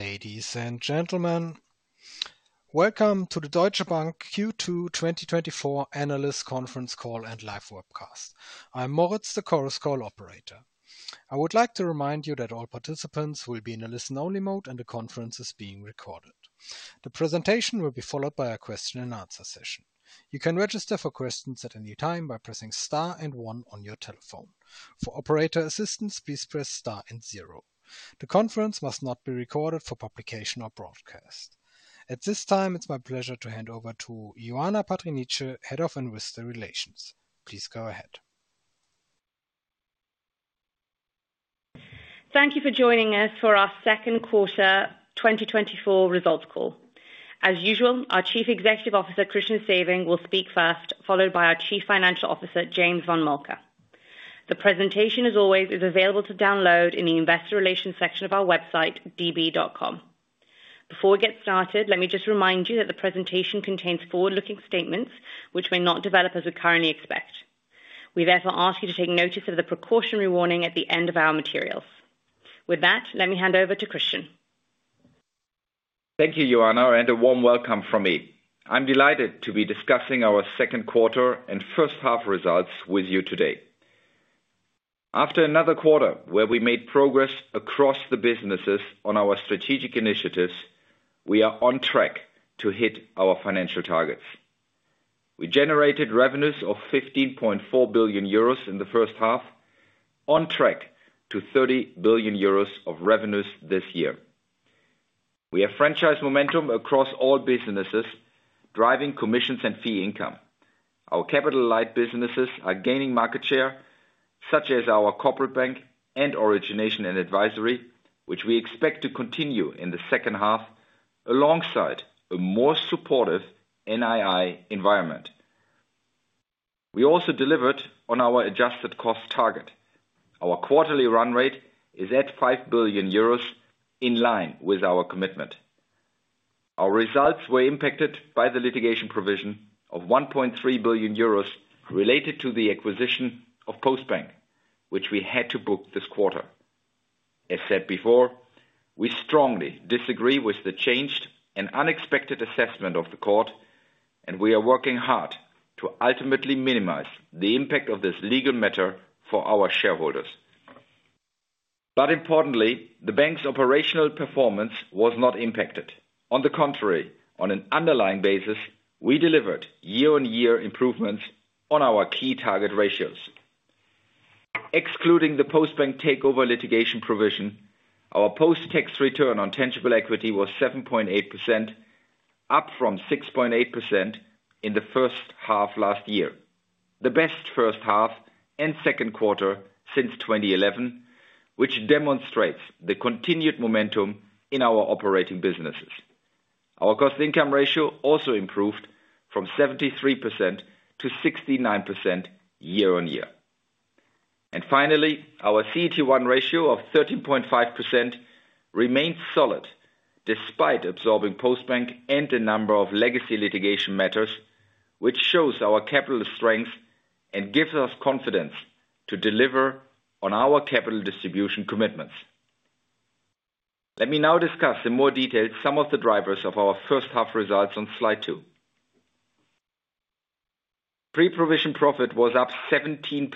Ladies and gentlemen, welcome to the Deutsche Bank Q2 2024 Analyst Conference Call and Live Webcast. I'm Moritz, the Chorus Call operator. I would like to remind you that all participants will be in a listen-only mode, and the conference is being recorded. The presentation will be followed by a question and answer session. You can register for questions at any time by pressing star and one on your telephone. For operator assistance, please press star and zero. The conference must not be recorded for publication or broadcast. At this time, it's my pleasure to hand over to Ioana Patriniche, Head of Investor Relations. Please go ahead. Thank you for joining us for our second quarter 2024 results call. As usual, our Chief Executive Officer, Christian Sewing, will speak first, followed by our Chief Financial Officer, James von Moltke. The presentation, as always, is available to download in the investor relations section of our website, db.com. Before we get started, let me just remind you that the presentation contains forward-looking statements which may not develop as we currently expect. We therefore ask you to take notice of the precautionary warning at the end of our materials. With that, let me hand over to Christian. Thank you, Ioana, and a warm welcome from me. I'm delighted to be discussing our second quarter and first half results with you today. After another quarter where we made progress across the businesses on our strategic initiatives, we are on track to hit our financial targets. We generated revenues of 15.4 billion euros in the first half, on track to 30 billion euros of revenues this year. We have franchise momentum across all businesses, driving commissions and fee income. Our capital-light businesses are gaining market share, such as our Corporate Bank and Origination & Advisory, which we expect to continue in the second half, alongside a more supportive NII environment. We also delivered on our adjusted cost target. Our quarterly run rate is at 5 billion euros, in line with our commitment. Our results were impacted by the litigation provision of 1.3 billion euros related to the acquisition of Postbank, which we had to book this quarter. As said before, we strongly disagree with the changed and unexpected assessment of the court, and we are working hard to ultimately minimize the impact of this legal matter for our shareholders. But importantly, the bank's operational performance was not impacted. On the contrary, on an underlying basis, we delivered year-on-year improvements on our key target ratios. Excluding the Postbank takeover litigation provision, our post-tax return on tangible equity was 7.8%, up from 6.8% in the first half last year. The best first half and second quarter since 2011, which demonstrates the continued momentum in our operating businesses. Our cost-income ratio also improved from 73% to 69% year-on-year. Finally, our CET1 ratio of 13.5% remains solid, despite absorbing Postbank and a number of legacy litigation matters, which shows our capital strength and gives us confidence to deliver on our capital distribution commitments. Let me now discuss in more detail some of the drivers of our first half results on slide two. Pre-provision profit was up 17%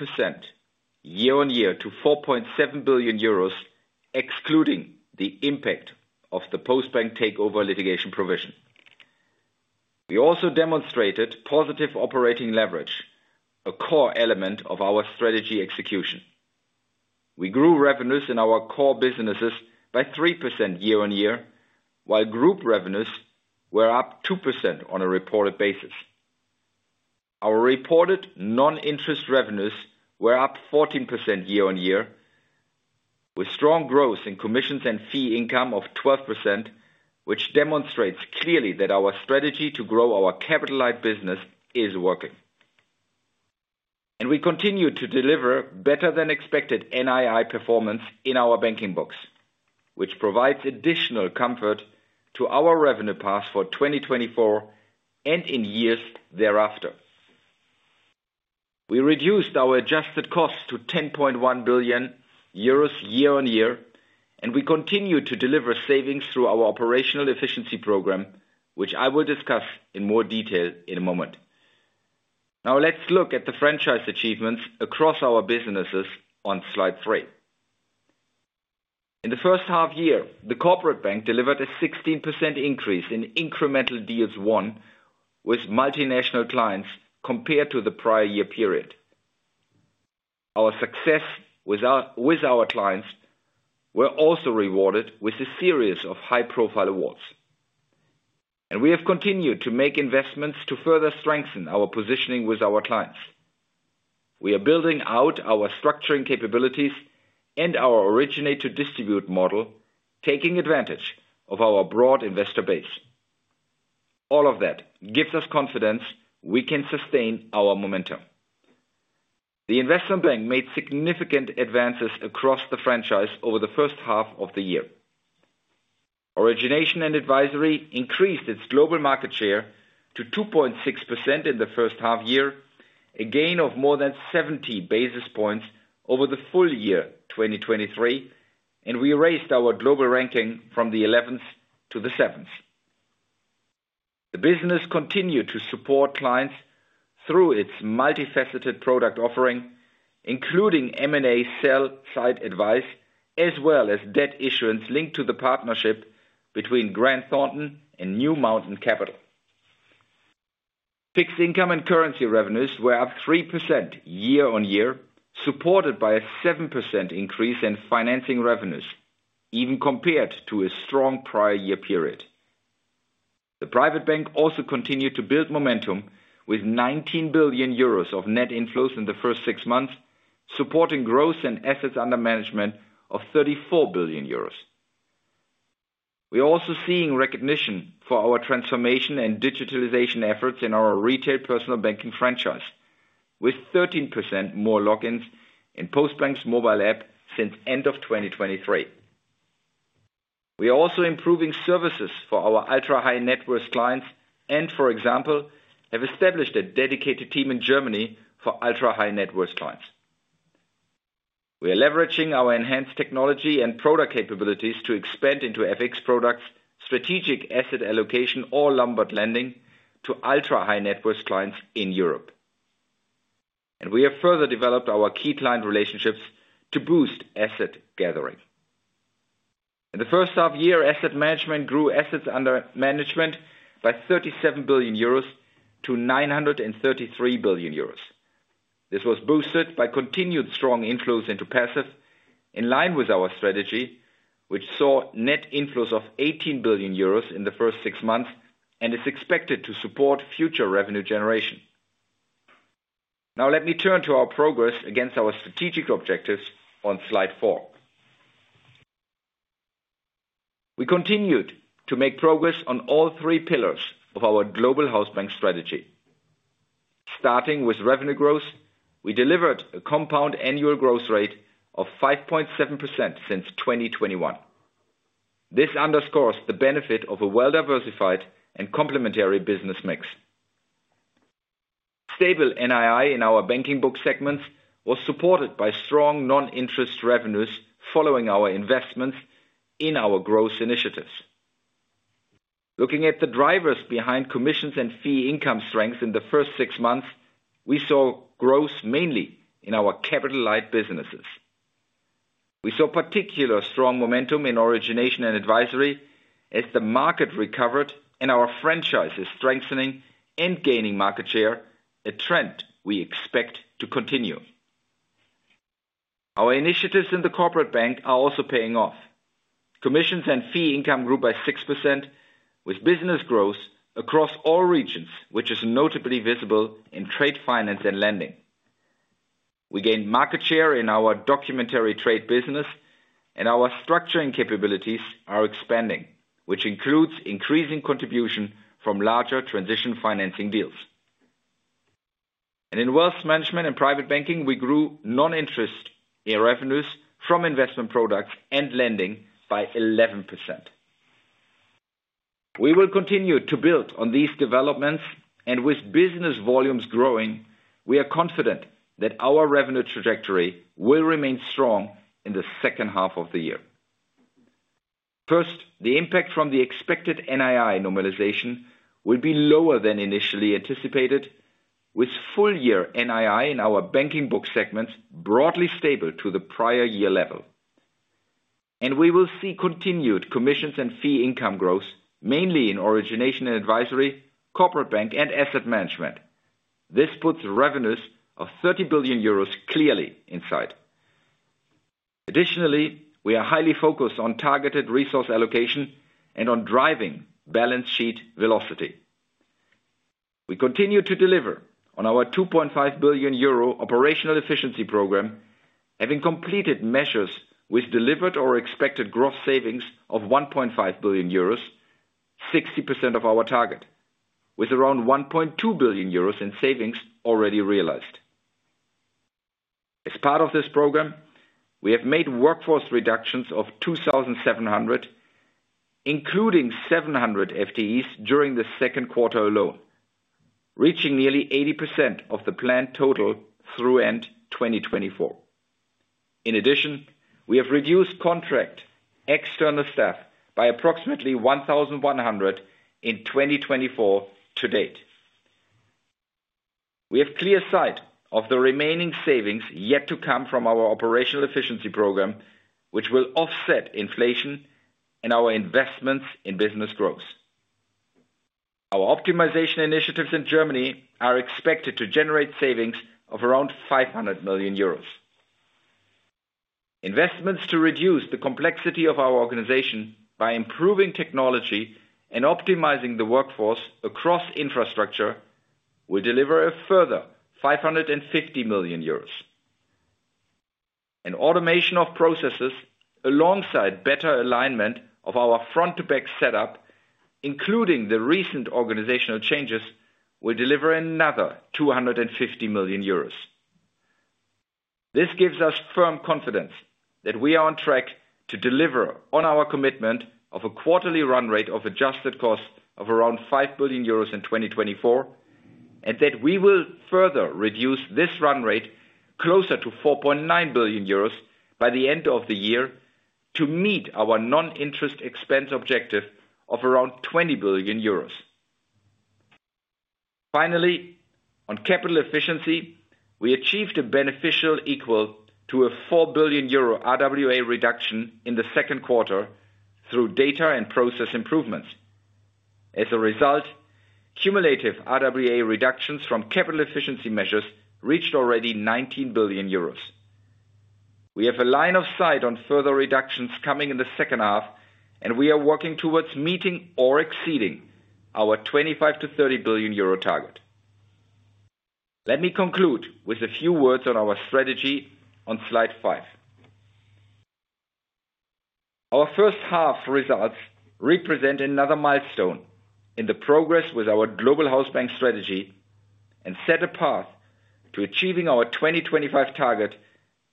year-on-year to 4.7 billion euros, excluding the impact of the Postbank takeover litigation provision. We also demonstrated positive operating leverage, a core element of our strategy execution. We grew revenues in our core businesses by 3% year-on-year, while group revenues were up 2% on a reported basis. Our reported non-interest revenues were up 14% year-on-year, with strong growth in commissions and fee income of 12%, which demonstrates clearly that our strategy to grow our capital-light business is working. And we continue to deliver better than expected NII performance in our banking books, which provides additional comfort to our revenue path for 2024 and in years thereafter. We reduced our adjusted cost to 10.1 billion euros year-on-year, and we continue to deliver savings through our operational efficiency program, which I will discuss in more detail in a moment. Now, let's look at the franchise achievements across our businesses on slide 3. In the first half year, the Corporate Bank delivered a 16% increase in incremental deals won with multinational clients compared to the prior year period. Our success with our clients were also rewarded with a series of high-profile awards, and we have continued to make investments to further strengthen our positioning with our clients. We are building out our structuring capabilities and our originate-to-distribute model, taking advantage of our broad investor base. All of that gives us confidence we can sustain our momentum. The Investment Bank made significant advances across the franchise over the first half of the year. Origination & Advisory increased its global market share to 2.6% in the first half year, a gain of more than 70 basis points over the full year 2023, and we raised our global ranking from the eleventh to the seventh. The business continued to support clients through its multifaceted product offering, including M&A sell side advice, as well as debt issuance linked to the partnership between Grant Thornton and New Mountain Capital. Fixed Income & Currencies revenues were up 3% year-on-year, supported by a 7% increase in financing revenues, even compared to a strong prior year period. The Private Bank also continued to build momentum with 19 billion euros of net inflows in the first six months, supporting growth and assets under management of 34 billion euros. We are also seeing recognition for our transformation and digitalization efforts in our retail Personal Banking franchise, with 13% more logins in Postbank's mobile app since end of 2023. We are also improving services for our ultra-high net worth clients and, for example, have established a dedicated team in Germany for ultra-high net worth clients. We are leveraging our enhanced technology and product capabilities to expand into FX products, strategic asset allocation or Lombard lending to ultra-high net worth clients in Europe. And we have further developed our key client relationships to boost asset gathering. In the first half year, Asset Management grew assets under management by 37 billion euros to 933 billion euros. This was boosted by continued strong inflows into passive, in line with our strategy, which saw net inflows of 18 billion euros in the first six months and is expected to support future revenue generation. Now let me turn to our progress against our strategic objectives on slide 4. We continued to make progress on all three pillars of our Global Hausbank strategy. Starting with revenue growth, we delivered a compound annual growth rate of 5.7% since 2021. This underscores the benefit of a well-diversified and complementary business mix. Stable NII in our banking book segments was supported by strong non-interest revenues following our investments in our growth initiatives. Looking at the drivers behind commissions and fee income strength in the first six months, we saw growth mainly in our capital-light businesses. We saw particular strong momentum in Origination & Advisory as the market recovered and our franchise is strengthening and gaining market share, a trend we expect to continue. Our initiatives in the Corporate Bank are also paying off. Commissions and fee income grew by 6%, with business growth across all regions, which is notably visible in trade finance and lending. We gained market share in our documentary trade business, and our structuring capabilities are expanding, which includes increasing contribution from larger transition financing deals. In Wealth Management and Private Banking, we grew non-interest revenues from investment products and lending by 11%. We will continue to build on these developments, and with business volumes growing, we are confident that our revenue trajectory will remain strong in the second half of the year. First, the impact from the expected NII normalization will be lower than initially anticipated, with full year NII in our banking book segment broadly stable to the prior year level. We will see continued commissions and fee income growth, mainly in Origination & Advisory, Corporate Bank and Asset Management. This puts revenues of 30 billion euros clearly in sight. Additionally, we are highly focused on targeted resource allocation and on driving balance sheet velocity. We continue to deliver on our 2.5 billion euro operational efficiency program, having completed measures with delivered or expected gross savings of 1.5 billion euros, 60% of our target, with around 1.2 billion euros in savings already realized. As part of this program, we have made workforce reductions of 2,700, including 700 FTEs during the second quarter alone, reaching nearly 80% of the planned total through end 2024. In addition, we have reduced contract external staff by approximately 1,100 in 2024 to date. We have clear sight of the remaining savings yet to come from our operational efficiency program, which will offset inflation and our investments in business growth. Our optimization initiatives in Germany are expected to generate savings of around 500 million euros. Investments to reduce the complexity of our organization by improving technology and optimizing the workforce across infrastructure will deliver a further 550 million euros. And automation of processes, alongside better alignment of our front to back setup, including the recent organizational changes, will deliver another 250 million euros.... This gives us firm confidence that we are on track to deliver on our commitment of a quarterly run rate of adjusted cost of around 5 billion euros in 2024, and that we will further reduce this run rate closer to 4.9 billion euros by the end of the year to meet our non-interest expense objective of around 20 billion euros. Finally, on capital efficiency, we achieved a beneficial equal to a 4 billion euro RWA reduction in the second quarter through data and process improvements. As a result, cumulative RWA reductions from capital efficiency measures reached already 19 billion euros. We have a line of sight on further reductions coming in the second half, and we are working towards meeting or exceeding our 25 billion-30 billion euro target. Let me conclude with a few words on our strategy on slide five. Our first half results represent another milestone in the progress with our Global Hausbank strategy and set a path to achieving our 2025 target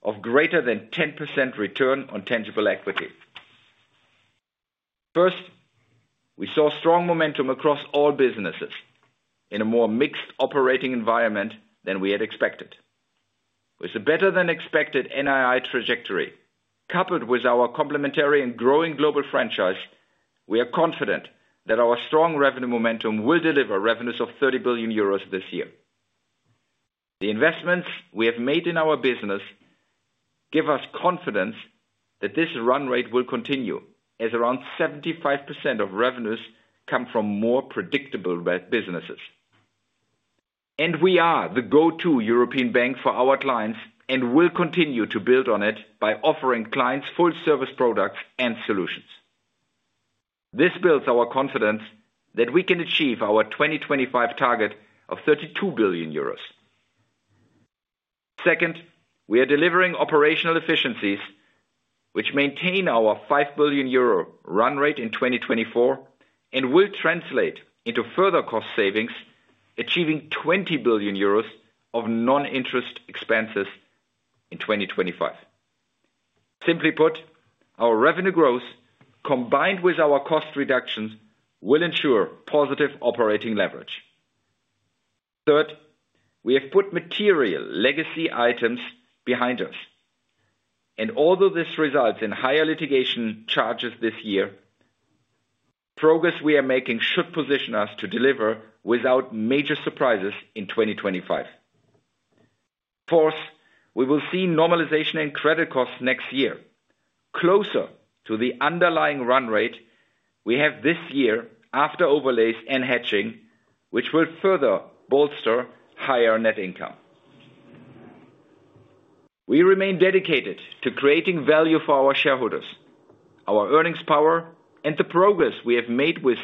of greater than 10% return on tangible equity. First, we saw strong momentum across all businesses in a more mixed operating environment than we had expected. With a better-than-expected NII trajectory, coupled with our complementary and growing global franchise, we are confident that our strong revenue momentum will deliver revenues of 30 billion euros this year. The investments we have made in our business give us confidence that this run rate will continue, as around 75% of revenues come from more predictable businesses. We are the go-to European bank for our clients and will continue to build on it by offering clients full service products and solutions. This builds our confidence that we can achieve our 2025 target of 32 billion euros. Second, we are delivering operational efficiencies, which maintain our 5 billion euro run rate in 2024 and will translate into further cost savings, achieving 20 billion euros of non-interest expenses in 2025. Simply put, our revenue growth, combined with our cost reductions, will ensure positive operating leverage. Third, we have put material legacy items behind us, and although this results in higher litigation charges this year, progress we are making should position us to deliver without major surprises in 2025. Fourth, we will see normalization in credit costs next year, closer to the underlying run rate we have this year after overlays and hedging, which will further bolster higher net income. We remain dedicated to creating value for our shareholders. Our earnings power and the progress we have made with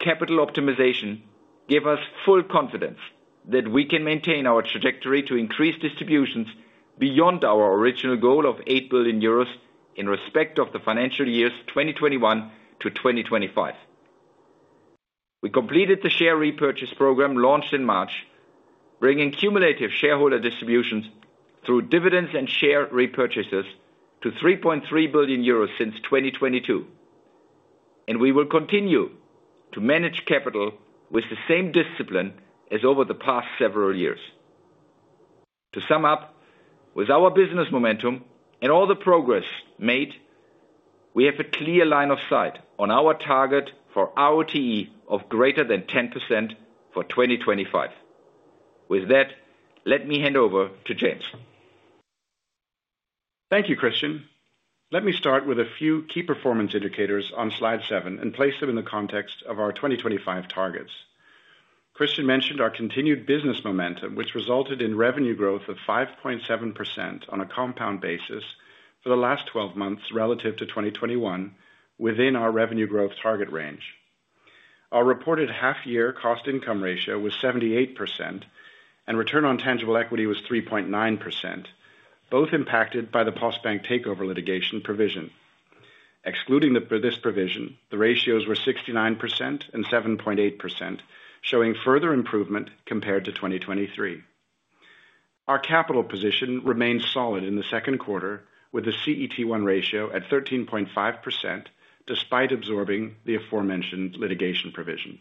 capital optimization give us full confidence that we can maintain our trajectory to increase distributions beyond our original goal of 8 billion euros in respect of the financial years 2021 to 2025. We completed the share repurchase program launched in March, bringing cumulative shareholder distributions through dividends and share repurchases to 3.3 billion euros since 2022, and we will continue to manage capital with the same discipline as over the past several years. To sum up, with our business momentum and all the progress made, we have a clear line of sight on our target for our TE of greater than 10% for 2025. With that, let me hand over to James. Thank you, Christian. Let me start with a few key performance indicators on slide 7 and place them in the context of our 2025 targets. Christian mentioned our continued business momentum, which resulted in revenue growth of 5.7% on a compound basis for the last 12 months relative to 2021 within our revenue growth target range. Our reported half year cost-income ratio was 78%, and return on tangible equity was 3.9%, both impacted by the Postbank takeover litigation provision. Excluding this provision, the ratios were 69% and 7.8%, showing further improvement compared to 2023. Our capital position remained solid in the second quarter, with the CET1 ratio at 13.5%, despite absorbing the aforementioned litigation provision.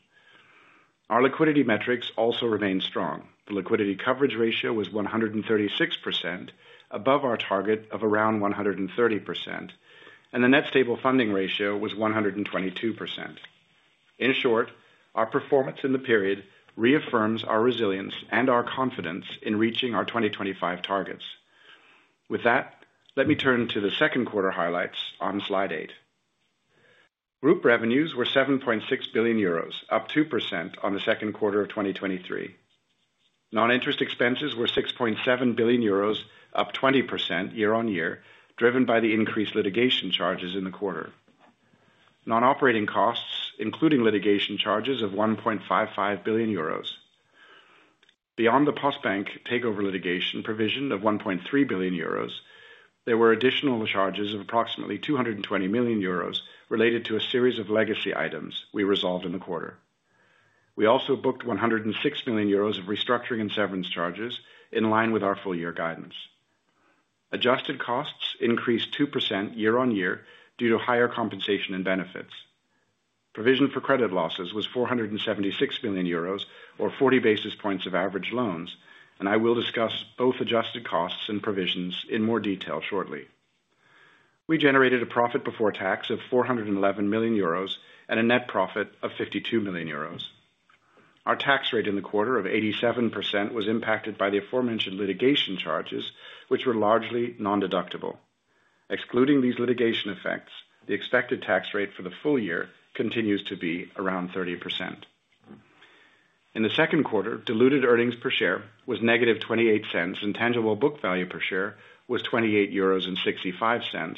Our liquidity metrics also remained strong. The liquidity coverage ratio was 136%, above our target of around 130%, and the net stable funding ratio was 122%. In short, our performance in the period reaffirms our resilience and our confidence in reaching our 2025 targets. With that, let me turn to the second quarter highlights on slide 8. Group revenues were 7.6 billion euros, up 2% on the second quarter of 2023. Non-interest expenses were 6.7 billion euros, up 20% year-on-year, driven by the increased litigation charges in the quarter. Non-operating costs, including litigation charges of 1.55 billion euros. Beyond the Postbank takeover litigation provision of 1.3 billion euros, there were additional charges of approximately 220 million euros related to a series of legacy items we resolved in the quarter. We also booked 106 million euros of restructuring and severance charges in line with our full year guidance. Adjusted costs increased 2% year-on-year due to higher compensation and benefits. Provision for credit losses was 476 billion euros, or 40 basis points of average loans, and I will discuss both adjusted costs and provisions in more detail shortly. We generated a profit before tax of 411 million euros and a net profit of 52 million euros. Our tax rate in the quarter of 87% was impacted by the aforementioned litigation charges, which were largely nondeductible. Excluding these litigation effects, the expected tax rate for the full year continues to be around 30%. In the second quarter, diluted earnings per share was negative 28 cents, and tangible book value per share was 28.65 euros,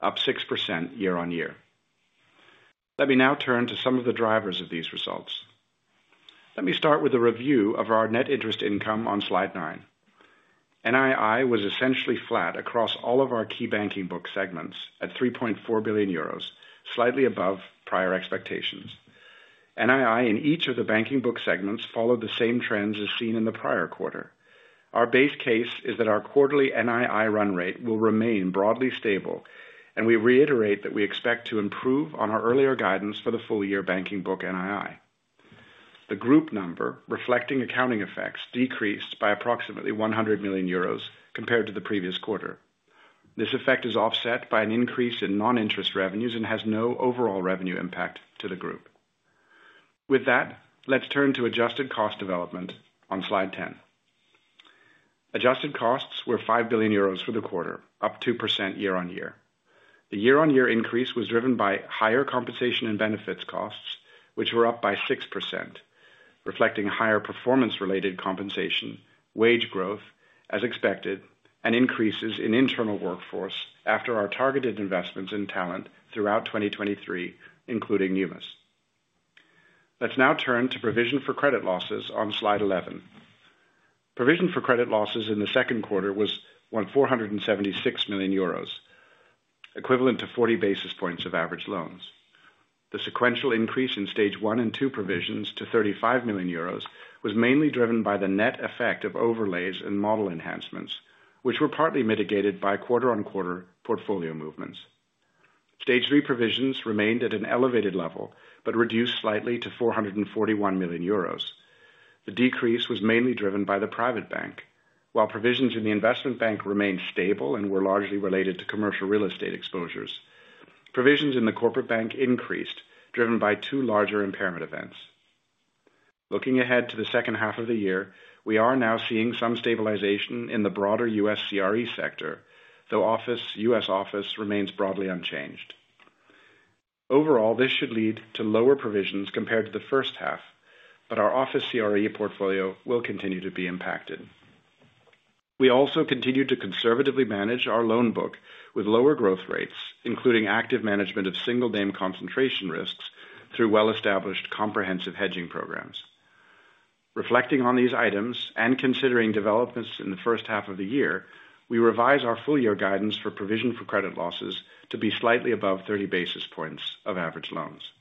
up 6% year-on-year. Let me now turn to some of the drivers of these results. Let me start with a review of our net interest income on slide 9. NII was essentially flat across all of our key banking book segments at 3.4 billion euros, slightly above prior expectations. NII in each of the banking book segments followed the same trends as seen in the prior quarter. Our base case is that our quarterly NII run rate will remain broadly stable, and we reiterate that we expect to improve on our earlier guidance for the full year banking book NII. The group number, reflecting accounting effects, decreased by approximately 100 million euros compared to the previous quarter. This effect is offset by an increase in non-interest revenues and has no overall revenue impact to the group. With that, let's turn to adjusted cost development on slide 10. Adjusted costs were 5 billion euros for the quarter, up 2% year-on-year. The year-on-year increase was driven by higher compensation and benefits costs, which were up by 6%, reflecting higher performance-related compensation, wage growth as expected, and increases in internal workforce after our targeted investments in talent throughout 2023, including Numis. Let's now turn to provision for credit losses on slide 11. Provision for credit losses in the second quarter was 1,476 million euros, equivalent to 40 basis points of average loans. The sequential increase in Stage I and II provisions to 35 million euros was mainly driven by the net effect of overlays and model enhancements, which were partly mitigated by quarter-on-quarter portfolio movements. Stage III provisions remained at an elevated level, but reduced slightly to 441 million euros. The decrease was mainly driven by the Private Bank. While provisions in the Investment Bank remained stable and were largely related to commercial real estate exposures, provisions in the Corporate Bank increased, driven by two larger impairment events. Looking ahead to the second half of the year, we are now seeing some stabilization in the broader U.S. CRE sector, though office, U.S. office remains broadly unchanged. Overall, this should lead to lower provisions compared to the first half, but our office CRE portfolio will continue to be impacted. We also continued to conservatively manage our loan book with lower growth rates, including active management of single-name concentration risks, through well-established comprehensive hedging programs. Reflecting on these items and considering developments in the first half of the year, we revise our full year guidance for provision for credit losses to be slightly above 30 basis points of average loans.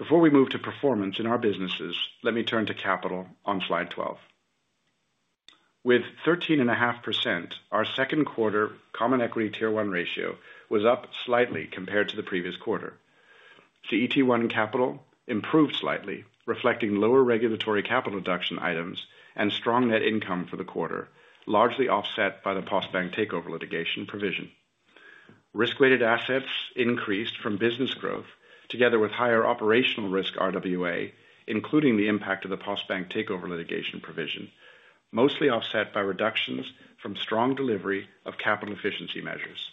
Before we move to performance in our businesses, let me turn to capital on slide 12. With 13.5%, our second quarter Common Equity Tier 1 ratio was up slightly compared to the previous quarter. CET1 capital improved slightly, reflecting lower regulatory capital deduction items and strong net income for the quarter, largely offset by the Postbank takeover litigation provision. Risk-weighted assets increased from business growth, together with higher operational risk RWA, including the impact of the Postbank takeover litigation provision, mostly offset by reductions from strong delivery of capital efficiency measures.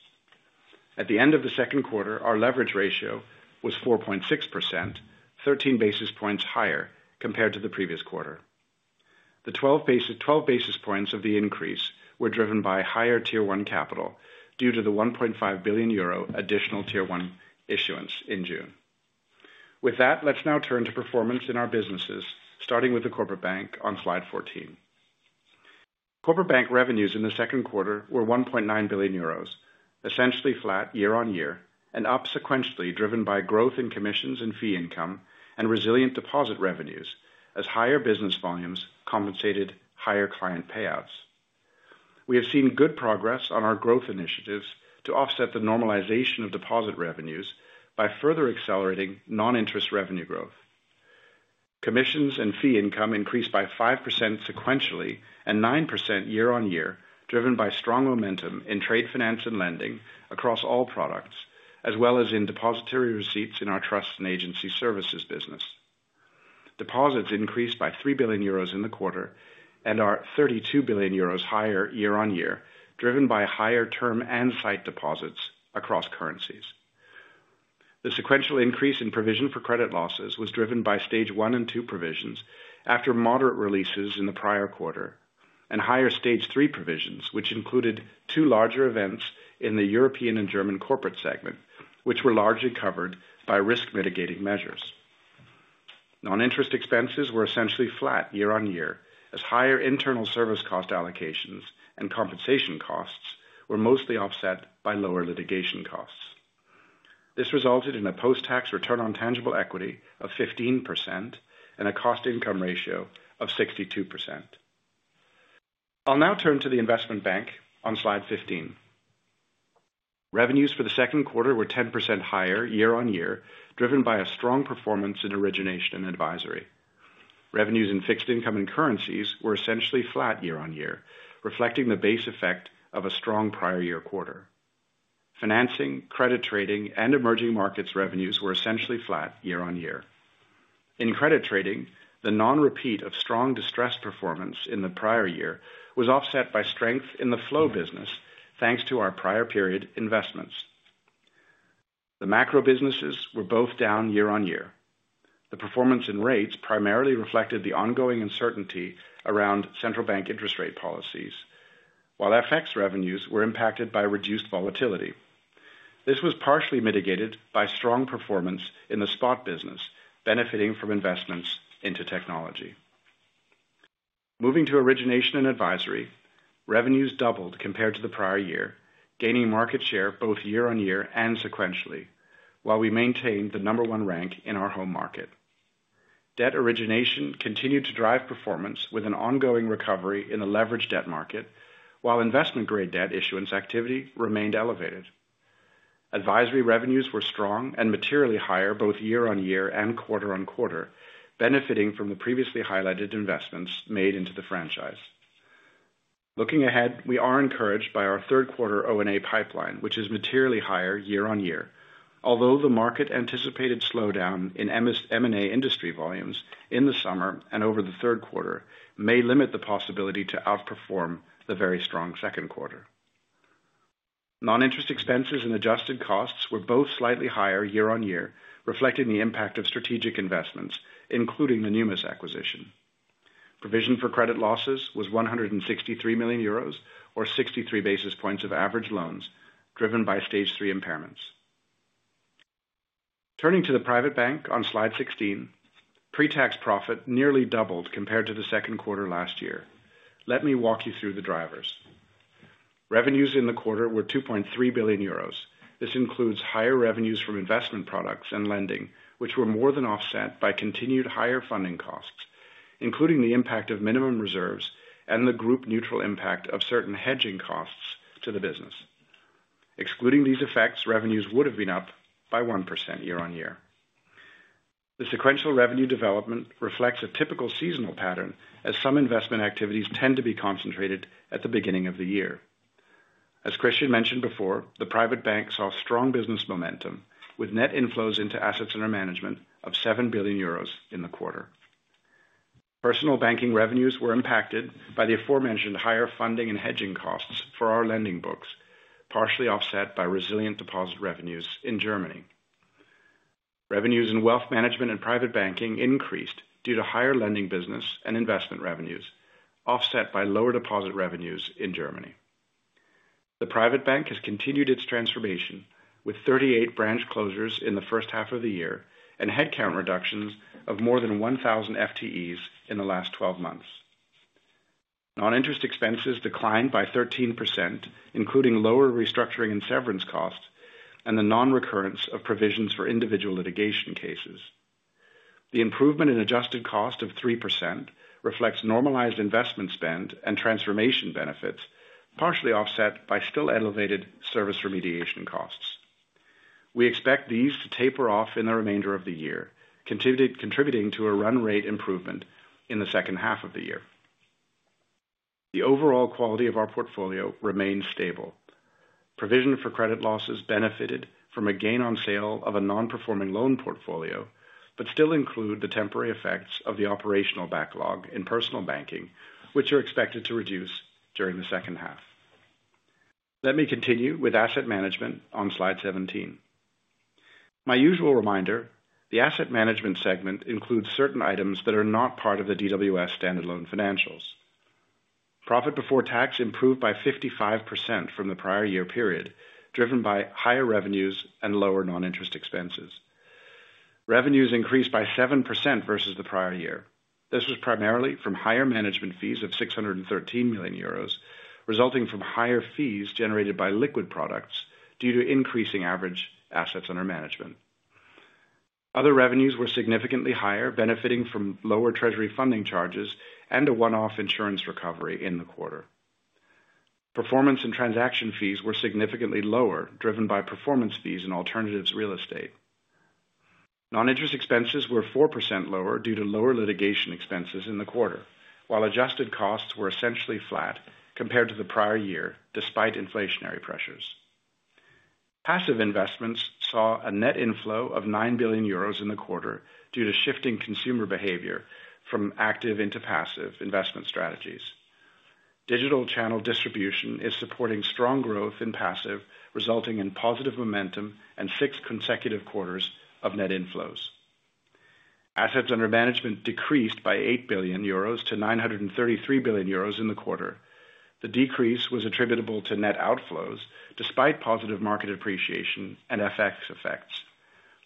At the end of the second quarter, our leverage ratio was 4.6%, 13 basis points higher compared to the previous quarter. The 12 basis points of the increase were driven by higher Tier I capital, due to the 1.5 billion euro additional Tier I issuance in June. With that, let's now turn to performance in our businesses, starting with the Corporate Bank on slide 14. Corporate Bank revenues in the second quarter were 1.9 billion euros, essentially flat year-on-year, and up sequentially, driven by growth in commissions and fee income and resilient deposit revenues as higher business volumes compensated higher client payouts. We have seen good progress on our growth initiatives to offset the normalization of deposit revenues by further accelerating non-interest revenue growth. Commissions and fee income increased by 5% sequentially and 9% year-on-year, driven by strong momentum in trade finance and lending across all products, as well as in depositary receipts in our Trust & Agency Services business. Deposits increased by 3 billion euros in the quarter and are 32 billion euros higher year-on-year, driven by higher term and sight deposits across currencies. The sequential increase in provision for credit losses was driven by Stage 1 and 2 provisions after moderate releases in the prior quarter, and higher Stage 3 provisions, which included two larger events in the European and German corporate segment, which were largely covered by risk mitigating measures. Non-interest expenses were essentially flat year-on-year, as higher internal service cost allocations and compensation costs-... were mostly offset by lower litigation costs. This resulted in a post-tax return on tangible equity of 15% and a cost-income ratio of 62%. I'll now turn to the Investment Bank on slide 15. Revenues for the second quarter were 10% higher year-on-year, driven by a strong performance in Origination & Advisory. Revenues in Fixed Income & Currencies were essentially flat year-on-year, reflecting the base effect of a strong prior year quarter. Financing, credit trading, and emerging markets revenues were essentially flat year-on-year. In credit trading, the non-repeat of strong distress performance in the prior year was offset by strength in the flow business, thanks to our prior period investments. The macro businesses were both down year-on-year. The performance in rates primarily reflected the ongoing uncertainty around central bank interest rate policies, while FX revenues were impacted by reduced volatility. This was partially mitigated by strong performance in the spot business, benefiting from investments into technology. Moving to Origination & Advisory, revenues doubled compared to the prior year, gaining market share both year-on-year and sequentially, while we maintained the number one rank in our home market. Debt origination continued to drive performance with an ongoing recovery in the leverage debt market, while investment-grade debt issuance activity remained elevated. Advisory revenues were strong and materially higher, both year-on-year and quarter-on-quarter, benefiting from the previously highlighted investments made into the franchise. Looking ahead, we are encouraged by our third quarter O&A pipeline, which is materially higher year-on-year. Although the market anticipated slowdown in M&A industry volumes in the summer and over the third quarter, may limit the possibility to outperform the very strong second quarter. Non-interest expenses and adjusted costs were both slightly higher year-on-year, reflecting the impact of strategic investments, including the Numis acquisition. Provision for credit losses was 163 million euros, or 63 basis points of average loans, driven by Stage Three impairments. Turning to the Private Bank on slide 16, pre-tax profit nearly doubled compared to the second quarter last year. Let me walk you through the drivers. Revenues in the quarter were 2.3 billion euros. This includes higher revenues from investment products and lending, which were more than offset by continued higher funding costs, including the impact of minimum reserves and the group neutral impact of certain hedging costs to the business. Excluding these effects, revenues would have been up by 1% year-on-year. The sequential revenue development reflects a typical seasonal pattern, as some investment activities tend to be concentrated at the beginning of the year. As Christian mentioned before, the Private Bank saw strong business momentum, with net inflows into assets under management of 7 billion euros in the quarter. Personal banking revenues were impacted by the aforementioned higher funding and hedging costs for our lending books, partially offset by resilient deposit revenues in Germany. Revenues in Wealth Management and Private Banking increased due to higher lending business and investment revenues, offset by lower deposit revenues in Germany. The Private Bank has continued its transformation, with 38 branch closures in the first half of the year, and headcount reductions of more than 1,000 FTEs in the last 12 months. Non-interest expenses declined by 13%, including lower restructuring and severance costs, and the non-recurrence of provisions for individual litigation cases. The improvement in adjusted costs of 3% reflects normalized investment spend and transformation benefits, partially offset by still elevated service remediation costs. We expect these to taper off in the remainder of the year, continued contributing to a run rate improvement in the second half of the year. The overall quality of our portfolio remains stable. Provision for credit losses benefited from a gain on sale of a non-performing loan portfolio, but still include the temporary effects of the operational backlog in Personal Banking, which are expected to reduce during the second half. Let me continue with Asset Management on slide 17. My usual reminder, the Asset Management segment includes certain items that are not part of the DWS stand-alone financials. Profit before tax improved by 55% from the prior year period, driven by higher revenues and lower non-interest expenses. Revenues increased by 7% versus the prior year. This was primarily from higher management fees of 613 million euros, resulting from higher fees generated by liquid products, due to increasing average assets under management. Other revenues were significantly higher, benefiting from lower treasury funding charges and a one-off insurance recovery in the quarter. Performance and transaction fees were significantly lower, driven by performance fees in alternatives real estate. Non-interest expenses were 4% lower due to lower litigation expenses in the quarter, while adjusted costs were essentially flat compared to the prior year, despite inflationary pressures. Passive investments saw a net inflow of 9 billion euros in the quarter due to shifting consumer behavior from active into passive investment strategies. Digital channel distribution is supporting strong growth in passive, resulting in positive momentum and six consecutive quarters of net inflows. Assets under management decreased by 8 billion euros to 933 billion euros in the quarter. The decrease was attributable to net outflows, despite positive market appreciation and FX effects.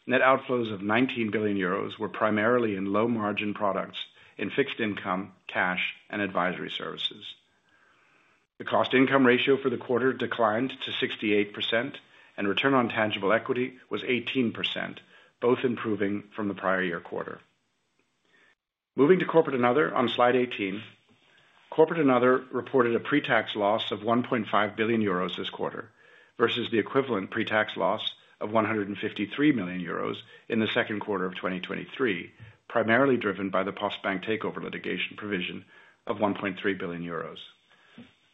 Net outflows of 19 billion euros were primarily in low margin products in Fixed Income, Cash, and Advisory Services. The cost income ratio for the quarter declined to 68%, and return on tangible equity was 18%, both improving from the prior year quarter. Moving to Corporate and Other on slide 18. Corporate and Other reported a pre-tax loss of 1.5 billion euros this quarter, versus the equivalent pre-tax loss of 153 million euros in the second quarter of 2023, primarily driven by the Postbank takeover litigation provision of 1.3 billion euros.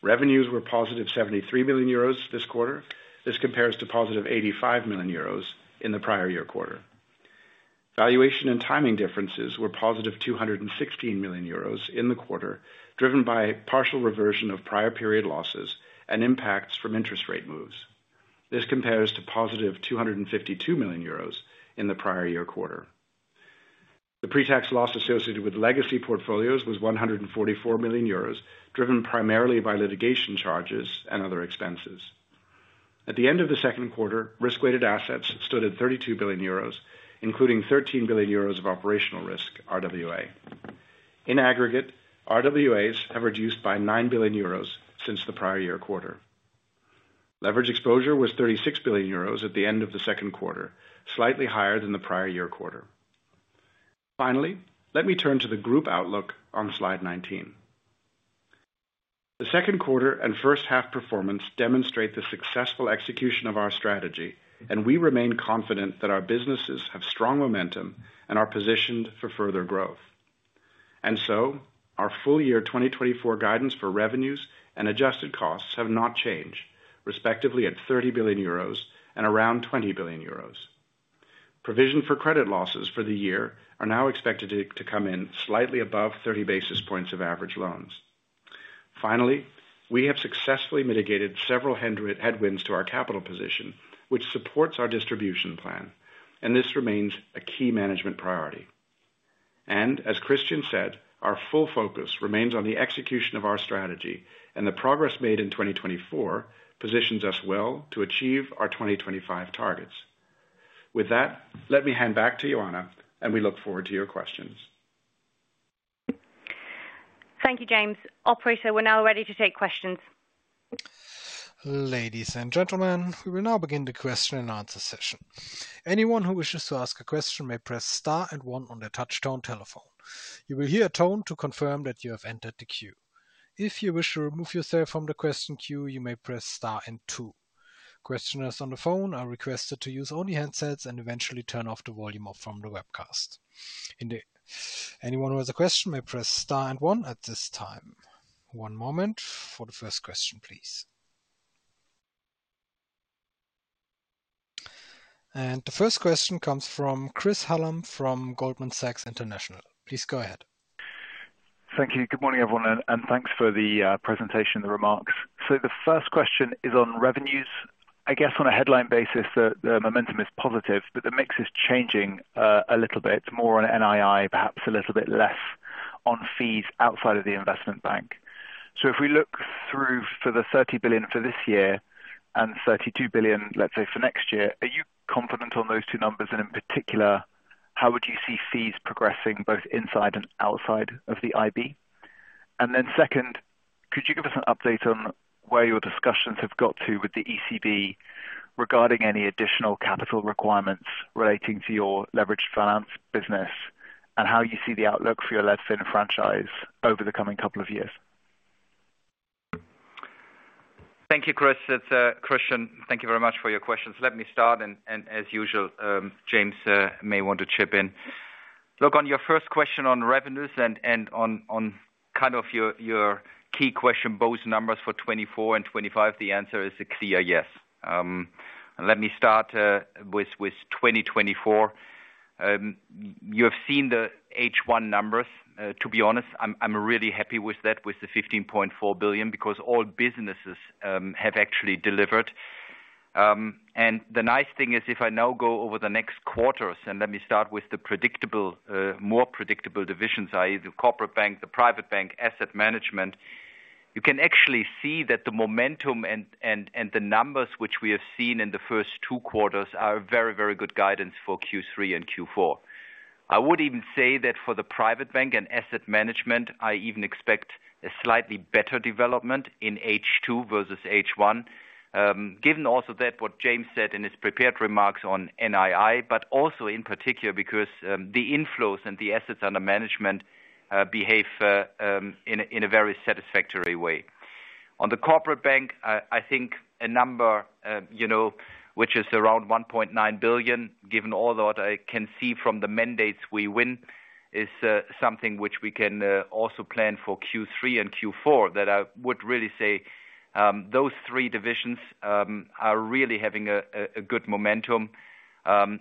Revenues were positive 73 million euros this quarter. This compares to positive 85 million euros in the prior year quarter. Valuation and timing differences were positive 216 million euros in the quarter, driven by partial reversion of prior period losses and impacts from interest rate moves. This compares to positive 252 million euros in the prior year quarter. The pre-tax loss associated with legacy portfolios was 144 million euros, driven primarily by litigation charges and other expenses. At the end of the second quarter, risk-weighted assets stood at 32 billion euros, including 13 billion euros of operational risk, RWA. In aggregate, RWAs have reduced by 9 billion euros since the prior year quarter. Leverage exposure was 36 billion euros at the end of the second quarter, slightly higher than the prior year quarter. Finally, let me turn to the group outlook on slide 19. The second quarter and first half performance demonstrate the successful execution of our strategy, and we remain confident that our businesses have strong momentum and are positioned for further growth. So our full year 2024 guidance for revenues and adjusted costs have not changed, respectively at 30 billion euros and around 20 billion euros. Provision for credit losses for the year are now expected to come in slightly above 30 basis points of average loans. Finally, we have successfully mitigated several headwinds to our capital position, which supports our distribution plan, and this remains a key management priority. And as Christian said, our full focus remains on the execution of our strategy, and the progress made in 2024 positions us well to achieve our 2025 targets. With that, let me hand back to you, Ioana, and we look forward to your questions. Thank you, James. Operator, we're now ready to take questions. Ladies and gentlemen, we will now begin the question and answer session. Anyone who wishes to ask a question may press star and one on their touchtone telephone. You will hear a tone to confirm that you have entered the queue. If you wish to remove yourself from the question queue, you may press star and two. Questioners on the phone are requested to use only handsets and eventually turn off the volume off from the webcast. Anyone who has a question may press star and one at this time. One moment for the first question, please. The first question comes from Chris Hallam from Goldman Sachs International. Please go ahead. Thank you. Good morning, everyone, and thanks for the presentation, the remarks. So the first question is on revenues. I guess on a headline basis, the momentum is positive, but the mix is changing, a little bit more on NII, perhaps a little bit less on fees outside of the Investment Bank. So if we look through for the 30 billion for this year and 32 billion, let's say, for next year, are you confident on those two numbers? And in particular, how would you see fees progressing both inside and outside of the IB? And then second, could you give us an update on where your discussions have got to with the ECB regarding any additional capital requirements relating to your leveraged finance business, and how you see the outlook for you LevFin franchise over the coming couple of years? Thank you, Chris. It's Christian. Thank you very much for your questions. Let me start, and as usual, James may want to chip in. Look, on your first question on revenues and on kind of your key question, both numbers for 2024 and 2025, the answer is a clear yes. Let me start with 2024. You have seen the H1 numbers. To be honest, I'm really happy with that, with the 15.4 billion, because all businesses have actually delivered. And the nice thing is, if I now go over the next quarters, and let me start with the predictable, more predictable divisions, i.e., the Corporate Bank, the Private Bank, Asset Management. You can actually see that the momentum and the numbers which we have seen in the first two quarters are very, very good guidance for Q3 and Q4. I would even say that for the Private Bank and Asset Management, I even expect a slightly better development in H2 versus H1. Given also that what James said in his prepared remarks on NII, but also in particular because the inflows and the assets under management behave in a very satisfactory way. On the Corporate Bank, I think a number, you know, which is around 1.9 billion, given all that I can see from the mandates we win, is something which we can also plan for Q3 and Q4. That I would really say, those three divisions are really having a good momentum.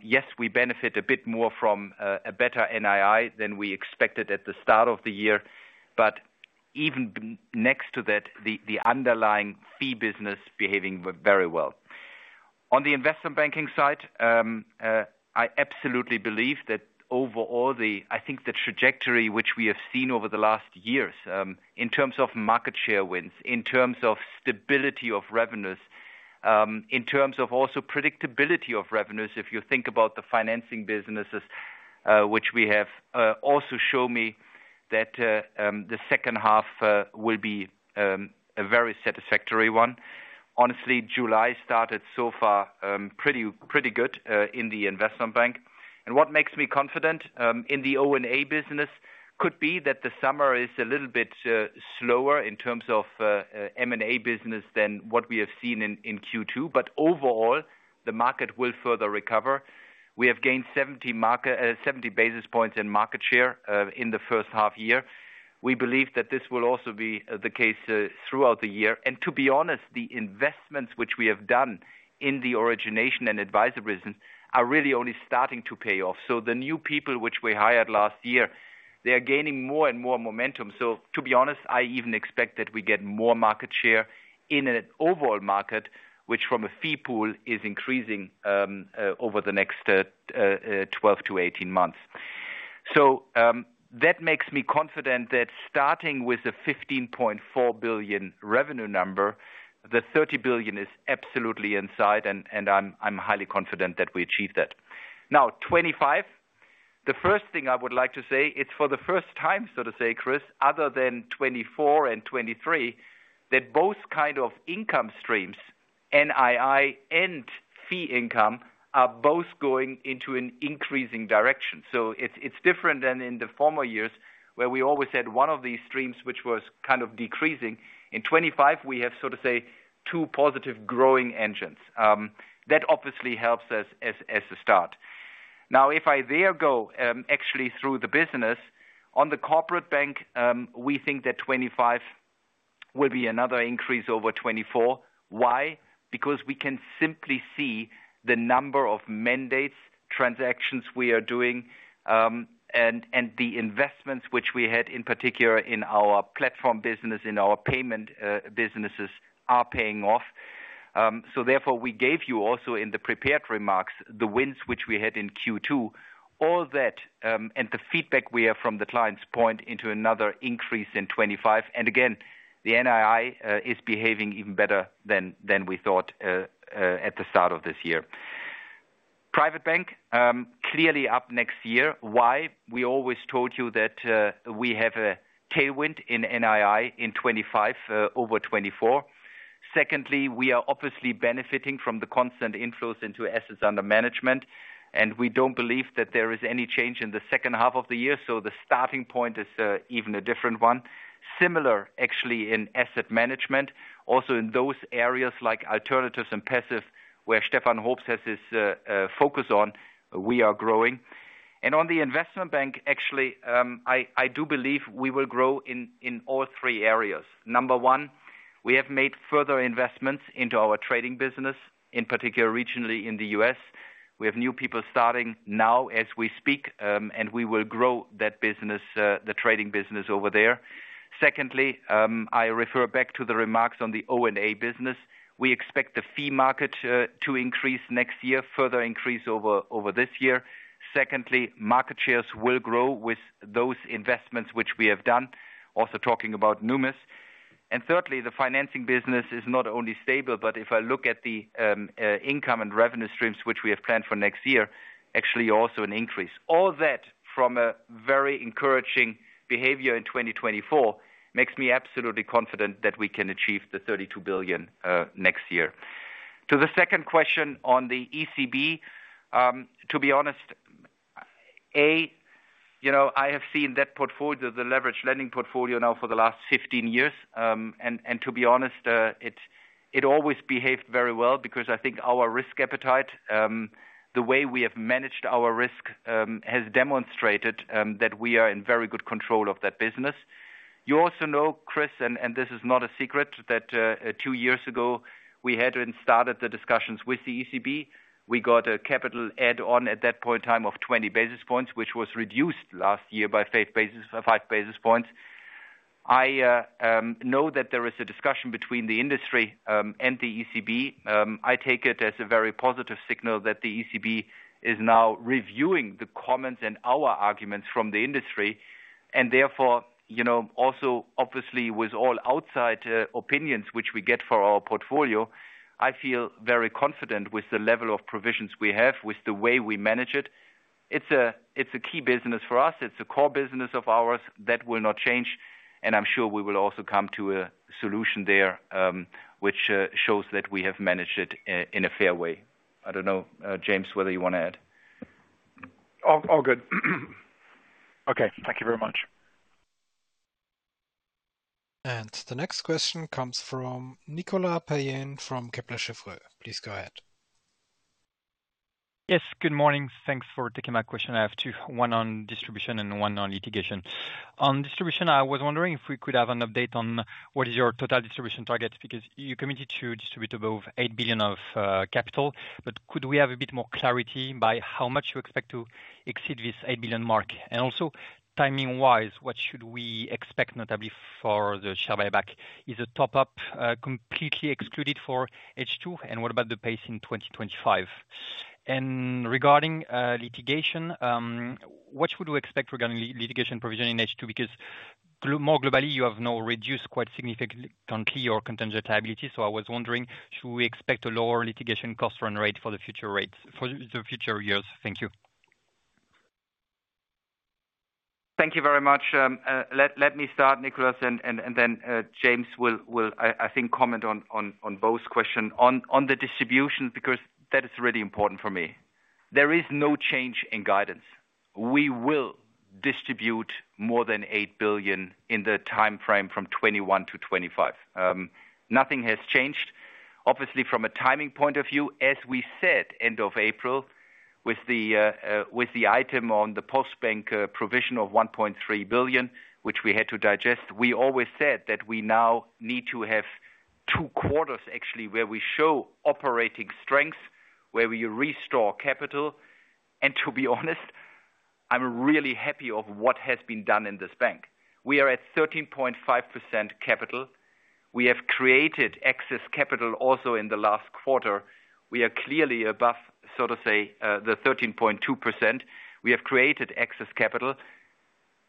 Yes, we benefit a bit more from a better NII than we expected at the start of the year, but even next to that, the underlying fee business behaving very well. On the Investment Banking side, I absolutely believe that overall, I think the trajectory which we have seen over the last years, in terms of market share wins, in terms of stability of revenues-... In terms of also predictability of revenues, if you think about the financing businesses, which we have, also show me that, the second half will be a very satisfactory one. Honestly, July started so far, pretty, pretty good, in the Investment Bank. And what makes me confident, in the O&A business could be that the summer is a little bit slower in terms of M&A business than what we have seen in Q2 but overall, the market will further recover. We have gained 70 basis points in market share in the first half year. We believe that this will also be the case throughout the year. And to be honest, the investments which we have done in the Origination & Advisory business are really only starting to pay off. So the new people which we hired last year, they are gaining more and more momentum. So to be honest, I even expect that we get more market share in an overall market, which from a fee pool is increasing, over the next 12-18 months. So, that makes me confident that starting with a 15.4 billion revenue number, the 30 billion is absolutely inside, and, and I'm, I'm highly confident that we achieve that. Now, 2025, the first thing I would like to say, it's for the first time, so to say, Chris, other than 2024 and 2023, that both kind of income streams, NII and fee income, are both going into an increasing direction. So it's, it's different than in the former years, where we always had one of these streams, which was kind of decreasing. In 2025, we have, so to say, two positive growing engines. That obviously helps us as a start. Now, if I there go, actually through the business, on the Corporate Bank, we think that 2025 will be another increase over 2024. Why? Because we can simply see the number of mandates, transactions we are doing, and the investments which we had, in particular in our platform business, in our payment businesses, are paying off. So therefore we gave you also in the prepared remarks, the wins which we had in Q2. All that, and the feedback we have from the clients point into another increase in 2025. And again, the NII is behaving even better than we thought at the start of this year. Private bank, clearly up next year. Why? We always told you that, we have a tailwind in NII in 2025, over 2024. Secondly, we are obviously benefiting from the constant inflows into assets under management, and we don't believe that there is any change in the second half of the year, so the starting point is, even a different one. Similar, actually, in Asset Management. Also in those areas like alternatives and passive, where Stefan Hoops has this, focus on, we are growing. And on the Investment Bank, actually, I, I do believe we will grow in, in all three areas. Number one, we have made further investments into our trading business, in particular, regionally in the US. We have new people starting now as we speak, and we will grow that business, the trading business over there. Secondly, I refer back to the remarks on the O&A business. We expect the fee market to increase next year, further increase over this year. Secondly, market shares will grow with those investments which we have done, also talking about Numis. And thirdly, the financing business is not only stable, but if I look at the income and revenue streams which we have planned for next year, actually also an increase. All that from a very encouraging behavior in 2024 makes me absolutely confident that we can achieve the 32 billion next year. To the second question on the ECB, to be honest, you know, I have seen that portfolio, the leveraged lending portfolio now for the last 15 years. To be honest, it always behaved very well because I think our risk appetite, the way we have managed our risk, has demonstrated that we are in very good control of that business. You also know, Chris, and this is not a secret, that two years ago, we had started the discussions with the ECB. We got a capital add on at that point in time of 20 basis points, which was reduced last year by 5 basis points. I know that there is a discussion between the industry and the ECB. I take it as a very positive signal that the ECB is now reviewing the comments and our arguments from the industry, and therefore, you know, also obviously with all outside opinions which we get for our portfolio, I feel very confident with the level of provisions we have, with the way we manage it. It's a key business for us. It's a core business of ours. That will not change, and I'm sure we will also come to a solution there, which shows that we have managed it in a fair way. I don't know, James, whether you want to add? All, all good. Okay, thank you very much. The next question comes from Nicolas Payen, from Kepler Cheuvreux. Please go ahead. Yes, good morning. Thanks for taking my question. I have two, one on distribution and one on litigation. On distribution, I was wondering if we could have an update on what is your total distribution target, because you committed to distribute above 8 billion of capital, but could we have a bit more clarity by how much you expect to exceed this 8 billion mark? And also, timing-wise, what should we expect, notably for the share buyback? Is a top up completely excluded for H2? And what about the pace in 2025? And regarding litigation, what should we expect regarding litigation provision in H2? Because more globally, you have now reduced quite significantly your contingent liability. So I was wondering, should we expect a lower litigation cost run rate for the future rates, for the future years? Thank you. Thank you very much. Let me start, Nicolas, and then James will, I think, comment on both questions. On the distribution, because that is really important for me, there is no change in guidance. We will distribute more than 8 billion in the timeframe from 2021 to 2025. Nothing has changed. Obviously, from a timing point of view, as we said, end of April, with the item on the Postbank, provision of 1.3 billion, which we had to digest, we always said that we now need to have two quarters, actually, where we show operating strength, where we restore capital. And to be honest, I'm really happy of what has been done in this bank. We are at 13.5% capital. We have created excess capital also in the last quarter. We are clearly above, so to say, the 13.2%. We have created excess capital,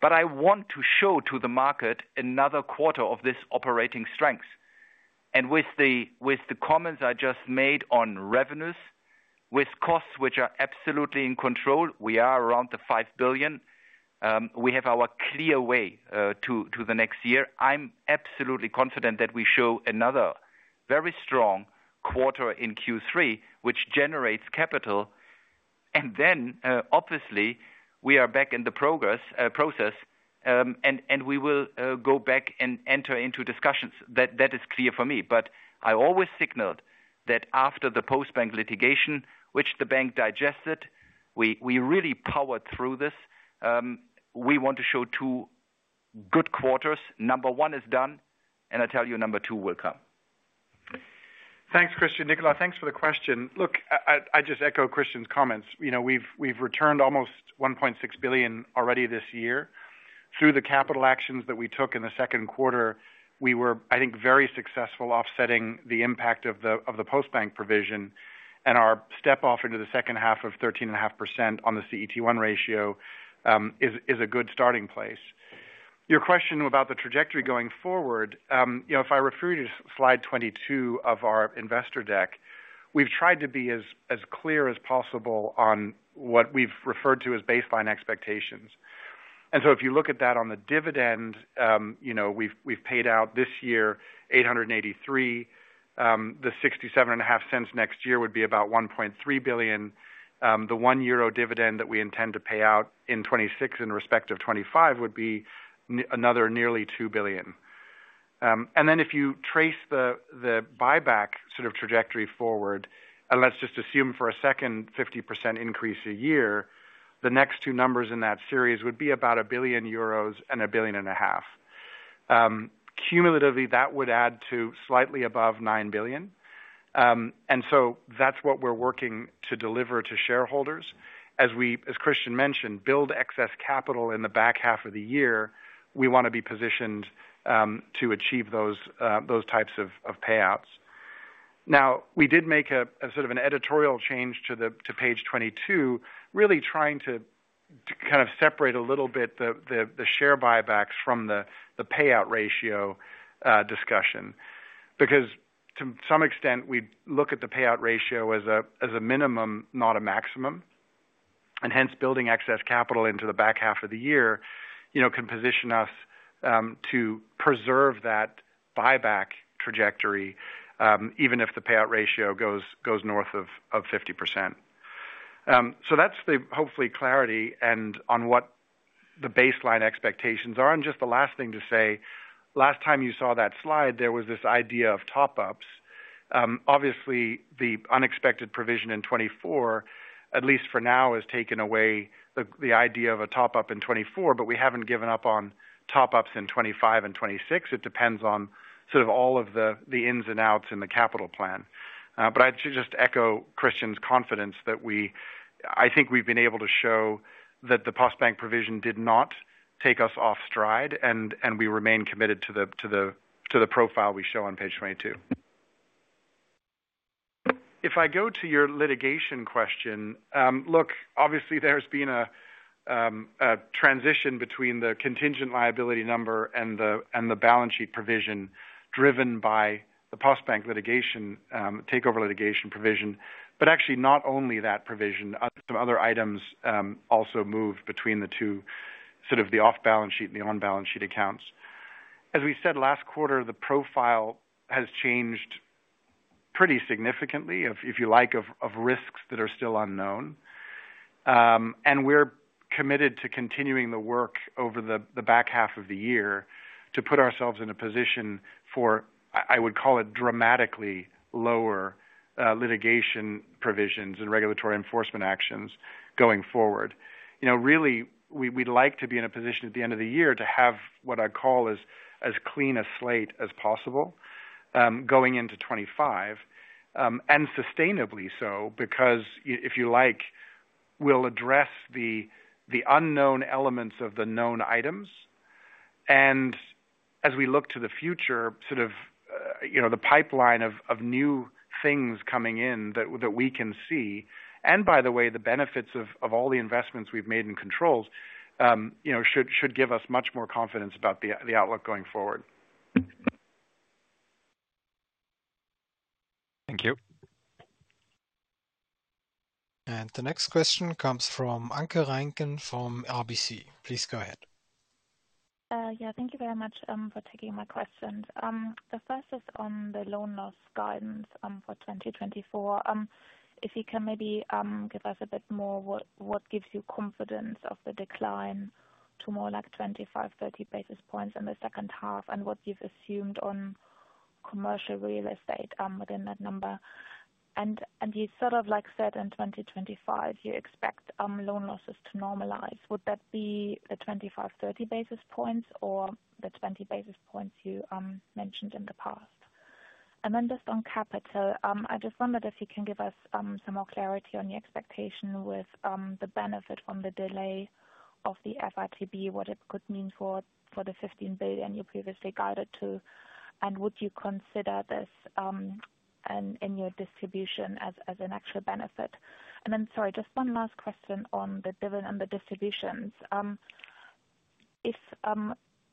but I want to show to the market another quarter of this operating strength. And with the, with the comments I just made on revenues, with costs which are absolutely in control, we are around the 5 billion. We have our clear way, to, to the next year. I'm absolutely confident that we show another very strong quarter in Q3, which generates capital. And then, obviously, we are back in the progress, process, and, and we will, go back and enter into discussions. That, that is clear for me. But I always signaled that after the Postbank litigation, which the bank digested, we, we really powered through this. We want to show two good quarters. Number one is done, and I tell you, number two will come. Thanks, Christian. Nicolas, thanks for the question. Look, I just echo Christian's comments. You know, we've returned almost 1.6 billion already this year. Through the capital actions that we took in the second quarter, we were, I think, very successful offsetting the impact of the Postbank provision, and our step off into the second half of 13.5% on the CET1 ratio is a good starting place. Your question about the trajectory going forward, you know, if I refer you to slide 22 of our investor deck, we've tried to be as clear as possible on what we've referred to as baseline expectations. And so if you look at that on the dividend, you know, we've paid out this year, 883. The 67.5 cents next year would be about 1.3 billion. The 1 euro dividend that we intend to pay out in 2026, in respect of 2025, would be nearly another 2 billion. And then if you trace the, the buyback sort of trajectory forward, and let's just assume for a second 50% increase a year, the next two numbers in that series would be about 1 billion euros and EUR 1.5 billion. Cumulatively, that would add to slightly above 9 billion. And so that's what we're working to deliver to shareholders. As Christian mentioned, build excess capital in the back half of the year, we wanna be positioned to achieve those types of payouts. Now, we did make a sort of an editorial change to page 22, really trying to kind of separate a little bit the share buybacks from the payout ratio discussion. Because to some extent, we look at the payout ratio as a minimum, not a maximum, and hence, building excess capital into the back half of the year, you know, can position us to preserve that buyback trajectory, even if the payout ratio goes north of 50%. So that's hopefully clarity and on what the baseline expectations are. Just the last thing to say, last time you saw that slide, there was this idea of top-ups. Obviously, the unexpected provision in 2024, at least for now, has taken away the idea of a top-up in 2024, but we haven't given up on top-ups in 2025 and 2026. It depends on sort of all of the ins and outs in the capital plan. But I'd just echo Christian's confidence that we, I think we've been able to show that the Postbank provision did not take us off stride, and we remain committed to the profile we show on page 22. If I go to your litigation question, look, obviously there's been a transition between the contingent liability number and the balance sheet provision, driven by the Postbank litigation, takeover litigation provision, but actually not only that provision, some other items also moved between the two, sort of the off-balance sheet and the on-balance sheet accounts. As we said last quarter, the profile has changed pretty significantly, if you like, of risks that are still unknown. And we're committed to continuing the work over the back half of the year to put ourselves in a position for, I would call it, dramatically lower litigation provisions and regulatory enforcement actions going forward. You know, really, we'd like to be in a position at the end of the year to have what I'd call as clean a slate as possible, going into 2025, and sustainably so, because if you like, we'll address the unknown elements of the known items. And as we look to the future, sort of, you know, the pipeline of new things coming in that we can see, and by the way, the benefits of all the investments we've made in controls, you know, should give us much more confidence about the outlook going forward. Thank you. The next question comes from Anke Reingen, from RBC. Please go ahead. Yeah, thank you very much for taking my questions. The first is on the loan loss guidance for 2024. If you can maybe give us a bit more, what gives you confidence of the decline to more like 25-30 basis points in the second half, and what you've assumed on commercial real estate within that number? And you sort of like said in 2025, you expect loan losses to normalize. Would that be the 25-30 basis points or the 20 basis points you mentioned in the past? Just on capital, I just wondered if you can give us some more clarity on the expectation with the benefit from the delay of the FRTB, what it could mean for the 15 billion you previously guided to, and would you consider this in your distribution as an actual benefit? Sorry, just one last question on the dividend and the distributions.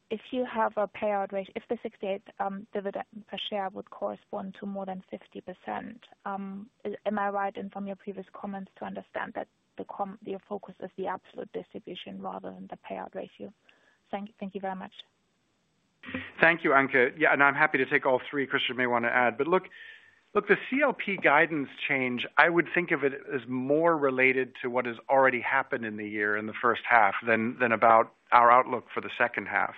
If you have a payout ratio, if the €0.68 dividend per share would correspond to more than 50%, am I right from your previous comments to understand that your focus is the absolute distribution rather than the payout ratio? Thank you very much. Thank you, Anke. Yeah, and I'm happy to take all three. Christian may want to add. But look, look, the CLP guidance change, I would think of it as more related to what has already happened in the year, in the first half, than about our outlook for the second half.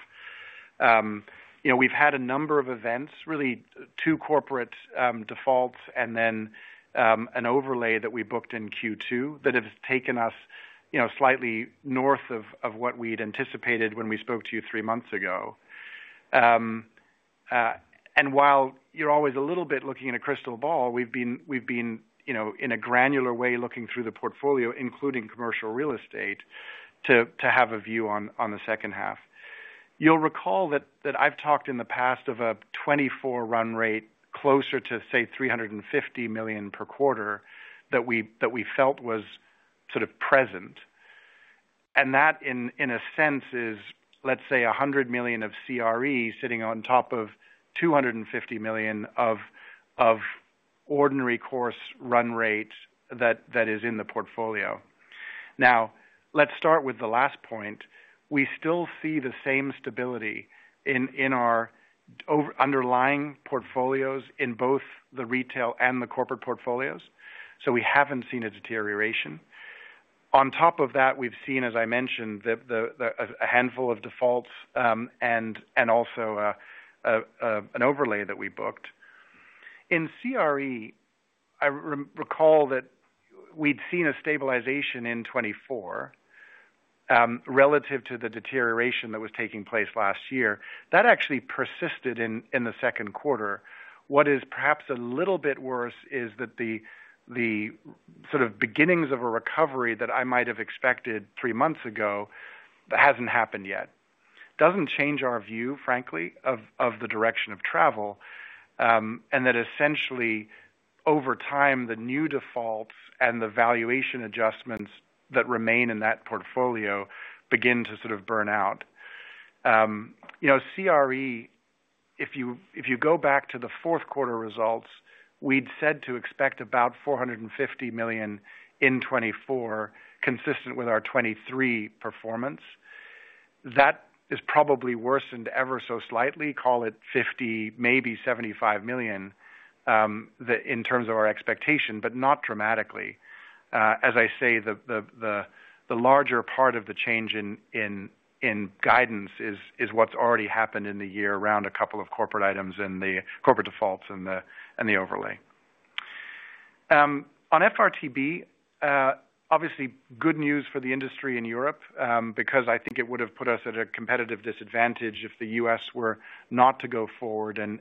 You know, we've had a number of events, really two corporate defaults, and then an overlay that we booked in Q2, that have taken us, you know, slightly north of what we'd anticipated when we spoke to you three months ago. And while you're always a little bit looking at a crystal ball, we've been, you know, in a granular way, looking through the portfolio, including commercial real estate, to have a view on the second half. You'll recall that I've talked in the past of a 2024 run rate, closer to, say, 350 million per quarter, that we felt was sort of present. And that, in a sense, is, let's say, 100 million of CRE sitting on top of 250 million of ordinary course run rate that is in the portfolio. Now, let's start with the last point. We still see the same stability in our underlying portfolios in both the retail and the corporate portfolios, so we haven't seen a deterioration. On top of that, we've seen, as I mentioned, a handful of defaults, and also an overlay that we booked. In CRE, I recall that we'd seen a stabilization in 2024, relative to the deterioration that was taking place last year. That actually persisted in, in the second quarter. What is perhaps a little bit worse is that the, the sort of beginnings of a recovery that I might have expected three months ago, that hasn't happened yet. Doesn't change our view, frankly, of, of the direction of travel, and that essentially, over time, the new defaults and the valuation adjustments that remain in that portfolio begin to sort of burn out. You know, CRE, if you, if you go back to the fourth quarter results, we'd said to expect about 450 million in 2024, consistent with our 2023 performance. That is probably worsened ever so slightly, call it 50 million, maybe 75 million, in terms of our expectation, but not dramatically. As I say, the larger part of the change in guidance is what's already happened in the year around a couple of corporate items and the corporate defaults and the overlay. On FRTB, obviously good news for the industry in Europe, because I think it would have put us at a competitive disadvantage if the U.S. were not to go forward and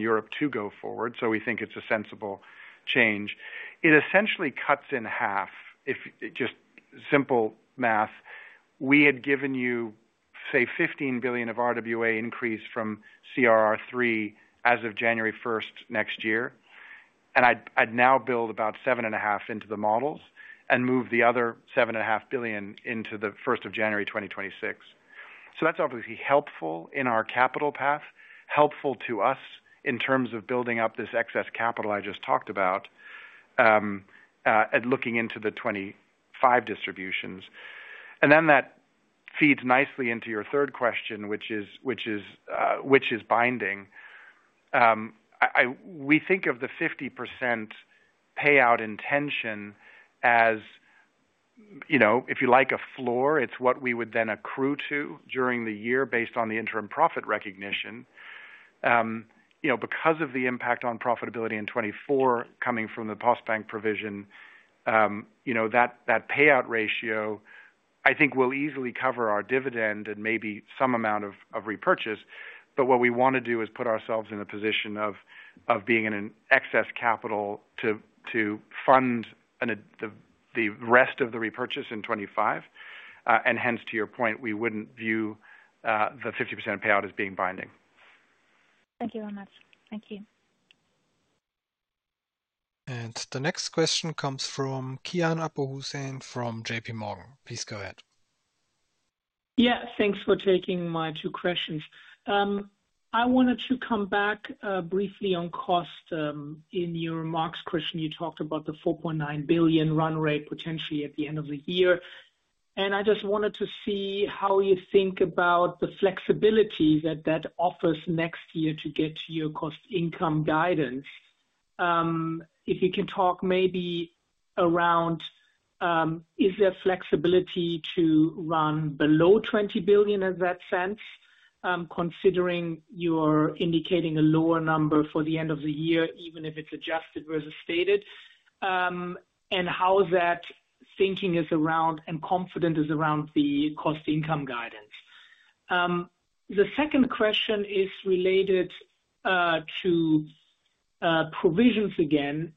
Europe to go forward. So we think it's a sensible change. It essentially cuts in half. If just simple math, we had given you, say, 15 billion of RWA increase from CRR 3 as of January first next year, and I'd now build about 7.5 billion into the models and move the other 7.5 billion into the first of January 2026. So that's obviously helpful in our capital path, helpful to us in terms of building up this excess capital I just talked about, at looking into the 25 distributions. And then that feeds nicely into your third question, which is binding. We think of the 50% payout intention as, you know, if you like, a floor, it's what we would then accrue to during the year based on the interim profit recognition. You know, because of the impact on profitability in 2024 coming from the Postbank provision, you know, that payout ratio, I think, will easily cover our dividend and maybe some amount of repurchase. But what we want to do is put ourselves in a position of being in excess capital to fund the rest of the repurchase in 2025. And hence, to your point, we wouldn't view the 50% payout as being binding. Thank you very much. Thank you. The next question comes from Kian Abouhossein from J.P. Morgan. Please go ahead. Yeah, thanks for taking my two questions. I wanted to come back briefly on cost. In your remarks, Christian, you talked about the 4.9 billion run rate potentially at the end of the year, and I just wanted to see how you think about the flexibility that that offers next year to get to your cost income guidance. If you can talk maybe around, is there flexibility to run below 20 billion in that sense, considering you're indicating a lower number for the end of the year, even if it's adjusted versus stated, and how that thinking is around and confident is around the cost income guidance? The second question is related to provisions again.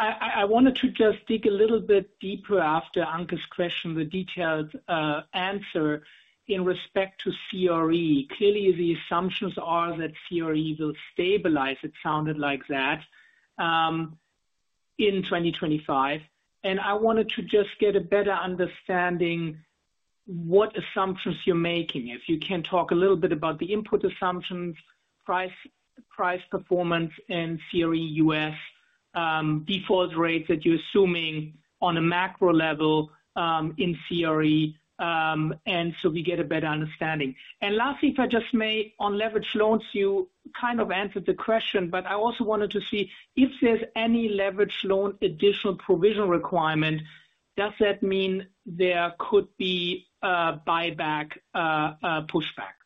I wanted to just dig a little bit deeper after Anke's question, the detailed answer in respect to CRE. Clearly, the assumptions are that CRE will stabilize, it sounded like that, in 2025, and I wanted to just get a better understanding what assumptions you're making. If you can talk a little bit about the input assumptions, price, price performance in CRE US, default rates that you're assuming on a macro level, in CRE, and so we get a better understanding. And lastly, if I just may, on leveraged loans, you kind of answered the question, but I also wanted to see if there's any leveraged loan additional provision requirement, does that mean there could be a buyback, a pushback?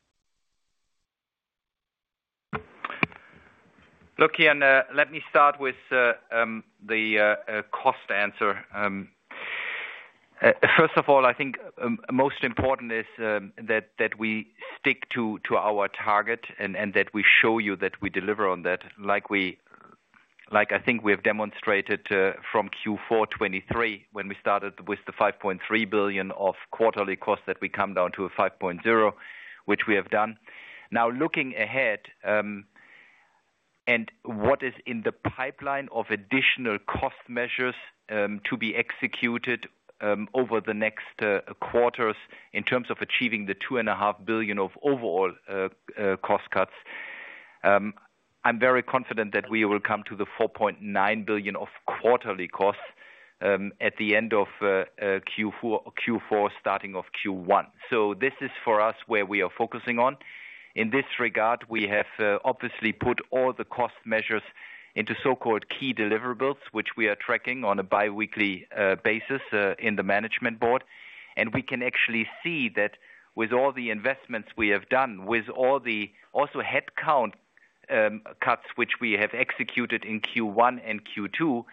Look, Kian, let me start with the cost answer. First of all, I think most important is that we stick to our target and that we show you that we deliver on that, like we-- like I think we have demonstrated from Q4 2023, when we started with the 5.3 billion of quarterly costs, that we come down to a 5.0 billion, which we have done. Now, looking ahead, and what is in the pipeline of additional cost measures to be executed over the next quarters in terms of achieving the 2.5 billion of overall cost cuts. I'm very confident that we will come to the 4.9 billion of quarterly costs at the end of Q4 starting of Q1. So this is for us, where we are focusing on. In this regard, we have obviously put all the cost measures into so-called key deliverables, which we are tracking on a biweekly basis in the Management Board. And we can actually see that with all the investments we have done, with all the also headcount cuts, which we have executed in Q1 and Q2,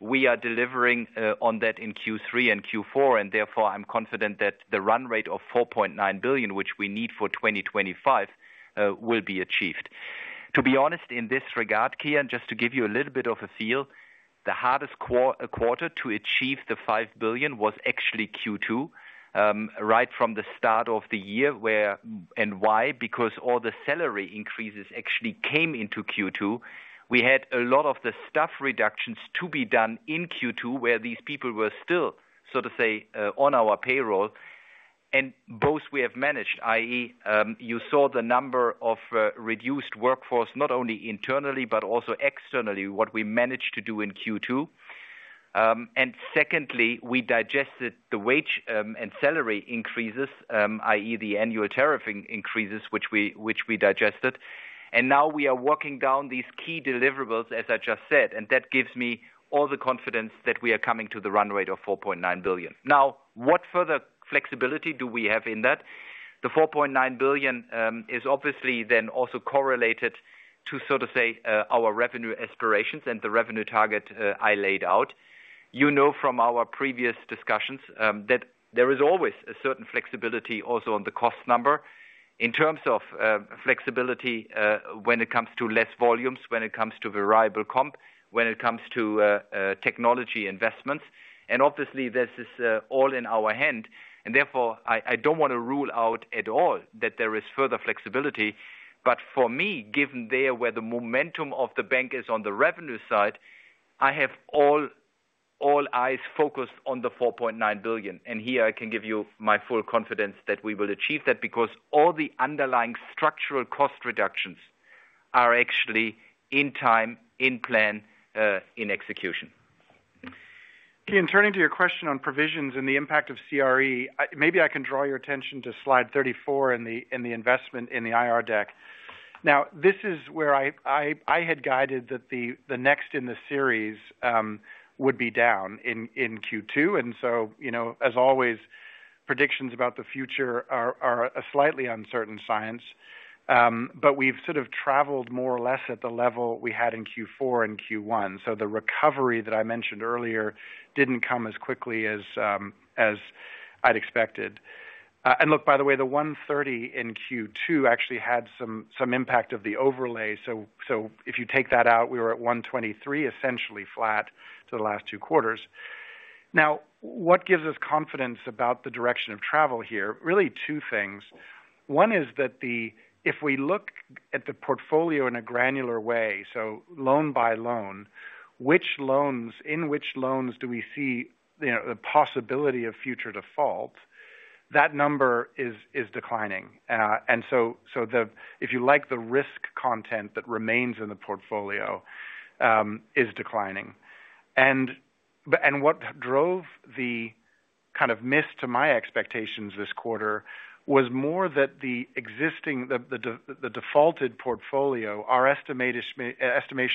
we are delivering on that in Q3 and Q4, and therefore, I'm confident that the run rate of 4.9 billion, which we need for 2025, will be achieved. To be honest, in this regard, Kian, just to give you a little bit of a feel, the hardest quarter to achieve the 5 billion was actually Q2, right from the start of the year, because all the salary increases actually came into Q2. We had a lot of the staff reductions to be done in Q2, where these people were still, so to say, on our payroll, and both we have managed, i.e., you saw the number of reduced workforce, not only internally, but also externally, what we managed to do in Q2. And secondly, we digested the wage and salary increases, i.e., the annual tariff increases, which we digested. And now we are working down these key deliverables, as I just said, and that gives me all the confidence that we are coming to the run rate of 4.9 billion. Now, what further flexibility do we have in that? The 4.9 billion is obviously then also correlated to, so to say, our revenue aspirations and the revenue target I laid out. You know, from our previous discussions, that there is always a certain flexibility also on the cost number in terms of flexibility when it comes to less volumes, when it comes to variable comp, when it comes to technology investments. And obviously, this is all in our hand, and therefore, I, I don't want to rule out at all that there is further flexibility. But for me, given where the momentum of the bank is on the revenue side, I have all, all eyes focused on the 4.9 billion, and here I can give you my full confidence that we will achieve that, because all the underlying structural cost reductions are actually in time, in plan, in execution. Kian, turning to your question on provisions and the impact of CRE, maybe I can draw your attention to slide 34 in the investment in the IR deck. Now, this is where I had guided that the next in the series would be down in Q2, and so, you know, as always, predictions about the future are a slightly uncertain science. But we've sort of traveled more or less at the level we had in Q4 and Q1. So the recovery that I mentioned earlier didn't come as quickly as I'd expected. And look, by the way, the 130 in Q2 actually had some impact of the overlay. So if you take that out, we were at 123, essentially flat to the last two quarters. Now, what gives us confidence about the direction of travel here? Really, two things. One is that if we look at the portfolio in a granular way, so loan by loan, which loans, in which loans do we see, you know, the possibility of future default, that number is declining. And so, so the, if you like, the risk content that remains in the portfolio, is declining. And what drove the kind of miss to my expectations this quarter, was more that the existing, the defaulted portfolio, our estimation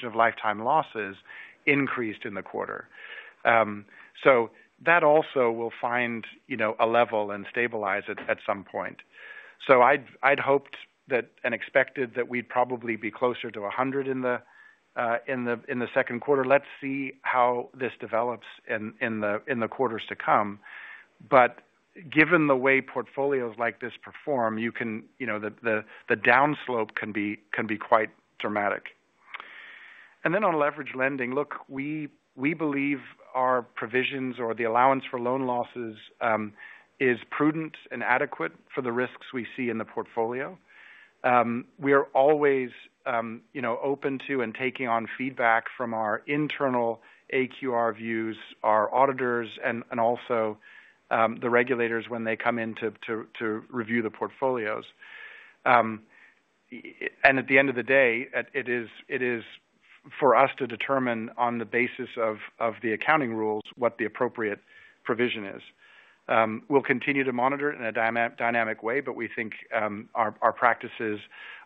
of lifetime losses increased in the quarter. So that also will find, you know, a level and stabilize it at some point. So I'd hoped that, and expected that we'd probably be closer to 100 in the second quarter. Let's see how this develops in the quarters to come. But given the way portfolios like this perform, you know, the downslope can be quite dramatic. And then on leveraged lending, look, we believe our provisions or the allowance for loan losses is prudent and adequate for the risks we see in the portfolio. We are always, you know, open to and taking on feedback from our internal AQR views, our auditors, and also the regulators when they come in to review the portfolios. And at the end of the day, it is for us to determine on the basis of the accounting rules what the appropriate provision is. We'll continue to monitor it in a dynamic way, but we think our practices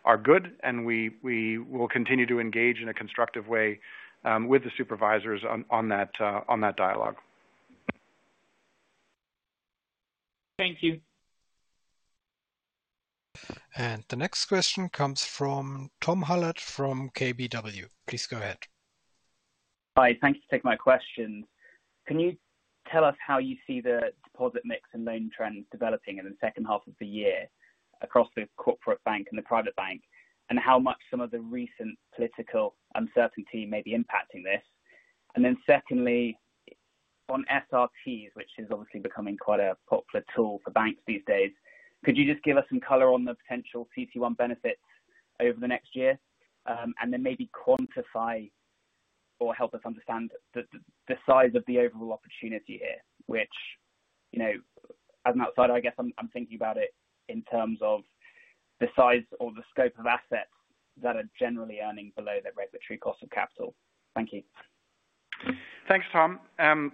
are good, and we will continue to engage in a constructive way with the supervisors on that dialogue. Thank you. The next question comes from Tom Hallett, from KBW. Please go ahead. Hi, thank you for taking my question. Can you tell us how you see the deposit mix and loan trends developing in the second half of the year across the Corporate Bank and the Private Bank, and how much some of the recent political uncertainty may be impacting this? And then secondly, on SRTs, which is obviously becoming quite a popular tool for banks these days, could you just give us some color on the potential CET1 benefits over the next year? And then maybe quantify or help us understand the size of the overall opportunity here, which, you know, as an outsider, I guess I'm thinking about it in terms of the size or the scope of assets that are generally earning below their regulatory cost of capital. Thank you. Thanks, Tom.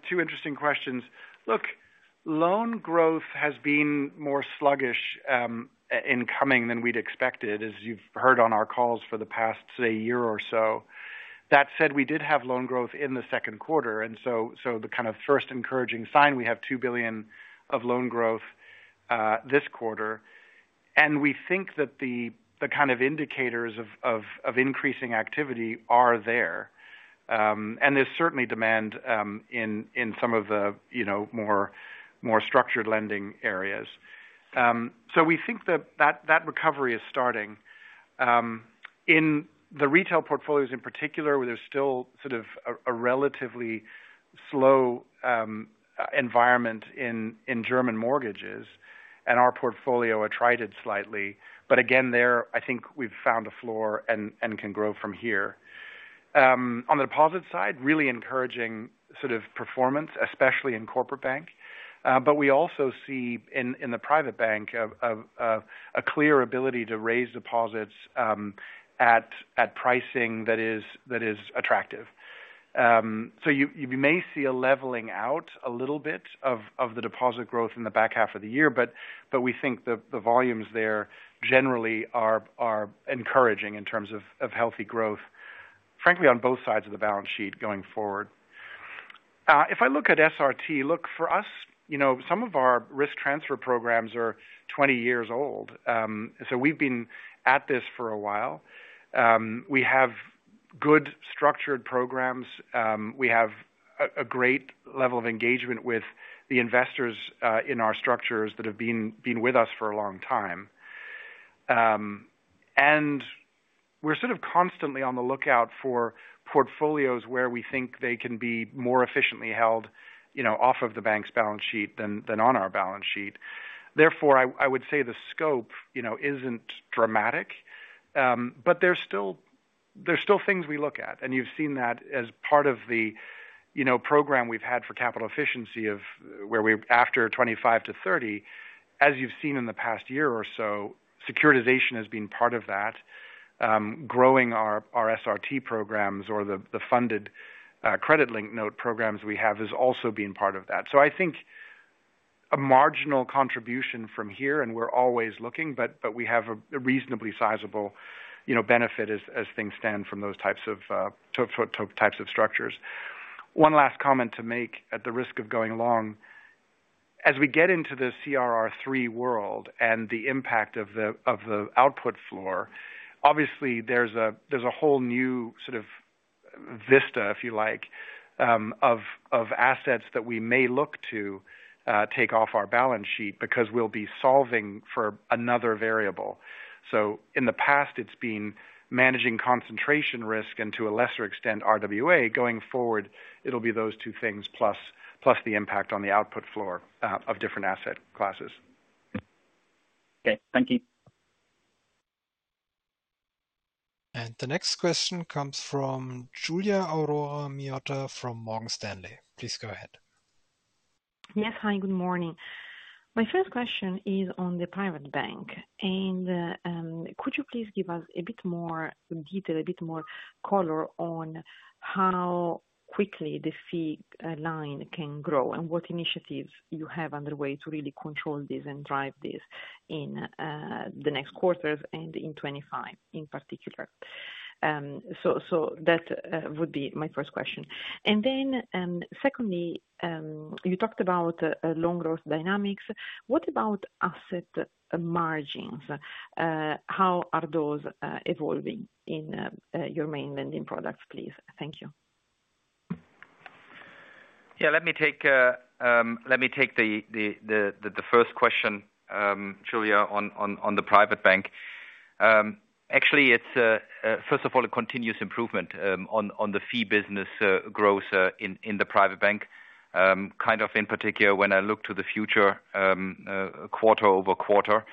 Two interesting questions. Look, loan growth has been more sluggish in coming than we'd expected, as you've heard on our calls for the past, say, year or so. That said, we did have loan growth in the second quarter, and the kind of first encouraging sign, we have 2 billion of loan growth this quarter. And we think that the kind of indicators of increasing activity are there. And there's certainly demand in some of the, you know, more structured lending areas. So we think that recovery is starting. In the retail portfolios in particular, where there's still sort of a relatively slow environment in German mortgages, and our portfolio attrited slightly. But again, there, I think we've found a floor and can grow from here. On the deposit side, really encouraging sort of performance, especially in Corporate Bank. But we also see in the Private Bank a clear ability to raise deposits at pricing that is attractive. So you may see a leveling out a little bit of the deposit growth in the back half of the year, but we think the volumes there generally are encouraging in terms of healthy growth, frankly, on both sides of the balance sheet going forward. If I look at SRT, for us, you know, some of our risk transfer programs are 20 years old. So we've been at this for a while. We have good structured programs. We have a great level of engagement with the investors in our structures that have been with us for a long time. And we're sort of constantly on the lookout for portfolios where we think they can be more efficiently held, you know, off of the bank's balance sheet than on our balance sheet. Therefore, I would say the scope, you know, isn't dramatic, but there's still things we look at. And you've seen that as part of the, you know, program we've had for capital efficiency of where we... After 25-30, as you've seen in the past year or so, securitization has been part of that. Growing our SRT programs or the funded credit link note programs we have is also being part of that. So I think a marginal contribution from here, and we're always looking, but, but we have a, a reasonably sizable, you know, benefit as, as things stand from those types of, types of structures. One last comment to make, at the risk of going along. As we get into the CRR3 world and the impact of the, of the output floor, obviously, there's a, there's a whole new sort of vista, if you like, of, of assets that we may look to, take off our balance sheet because we'll be solving for another variable. So in the past, it's been managing concentration risk and to a lesser extent, RWA. Going forward, it'll be those two things plus, plus the impact on the output floor, of different asset classes. Okay, thank you. The next question comes from Giulia Aurora Miotto from Morgan Stanley. Please go ahead. Yes. Hi, good morning. My first question is on the Private Bank, and could you please give us a bit more detail, a bit more color on how quickly the fee line can grow, and what initiatives you have underway to really control this and drive this in the next quarters and in 2025, in particular? So that would be my first question. And then, secondly, you talked about loan growth dynamics. What about asset margins? How are those evolving in your main lending products, please? Thank you. Yeah, let me take the first question, Giulia, on the Private Bank. Actually, it's first of all, a continuous improvement on the fee business growth in the Private Bank. Kind of in particular, when I look to the future, quarter over quarter.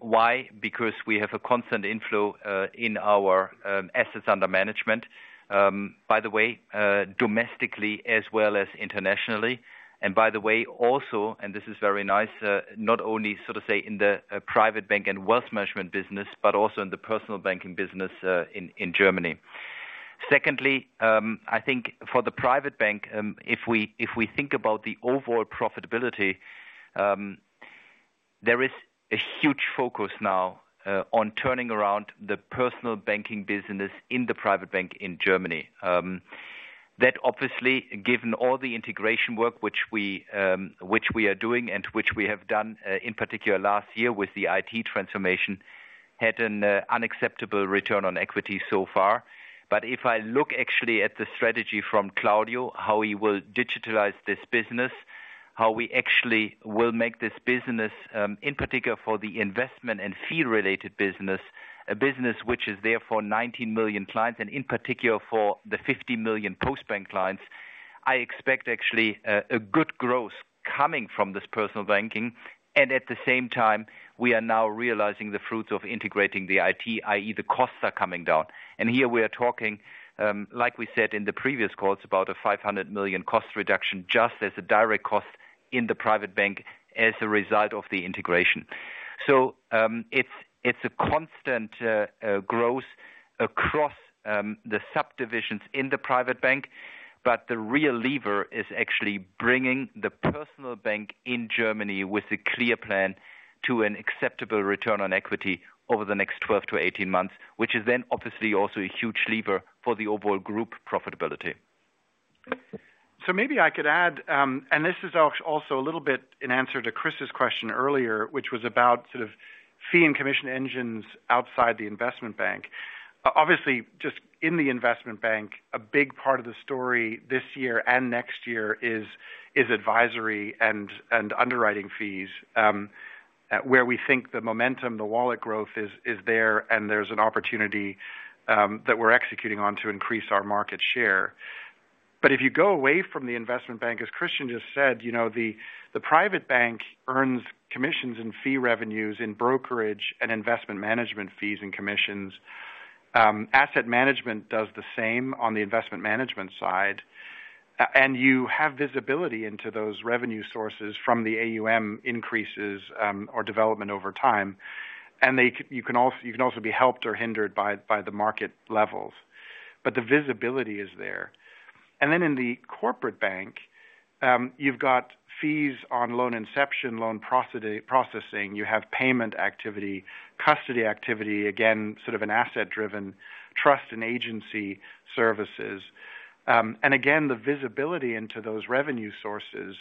Why? Because we have a constant inflow in our assets under management, by the way, domestically as well as internationally. And by the way, also, and this is very nice, not only so to say in the Private Bank and Wealth Management business, but also in the Personal Banking business in Germany. Secondly, I think for the Private Bank, if we, if we think about the overall profitability, there is a huge focus now on turning around the Personal Banking business in the Private Bank in Germany. That obviously, given all the integration work which we, which we are doing and which we have done, in particular last year with the IT transformation, had an unacceptable return on equity so far. But if I look actually at the strategy from Claudio, how he will digitalize this business, how we actually will make this business, in particular for the investment and fee-related business, a business which is there for 19 million clients, and in particular for the 50 million Postbank clients, I expect actually a good growth coming from this Personal Banking. And at the same time, we are now realizing the fruits of integrating the IT, i.e., the costs are coming down. And here we are talking, like we said in the previous calls, about a 500 million cost reduction, just as a direct cost in the Private Bank as a result of the integration. So, it's a constant growth across the subdivisions in the Private Bank, but the real lever is actually bringing the Personal Bank in Germany with a clear plan to an acceptable return on equity over the next 12-18 months, which is then obviously also a huge lever for the overall group profitability. So maybe I could add, and this is also a little bit in answer to Chris's question earlier, which was about sort of fee and commission engines outside the Investment Bank. Obviously, just in the Investment Bank, a big part of the story this year and next year is advisory and underwriting fees, where we think the momentum, the wallet growth is there, and there's an opportunity that we're executing on to increase our market share. But if you go away from the Investment Bank, as Christian just said, you know, the Private Bank earns commissions and fee revenues in brokerage and investment management fees and commissions. Asset management does the same on the investment management side, and you have visibility into those revenue sources from the AUM increases or development over time. You can also be helped or hindered by, by the market levels. But the visibility is there. And then in the Corporate Bank, you've got fees on loan inception, loan processing, you have payment activity, custody activity, again, sort of an asset-driven trust and agency services. And again, the visibility into those revenue sources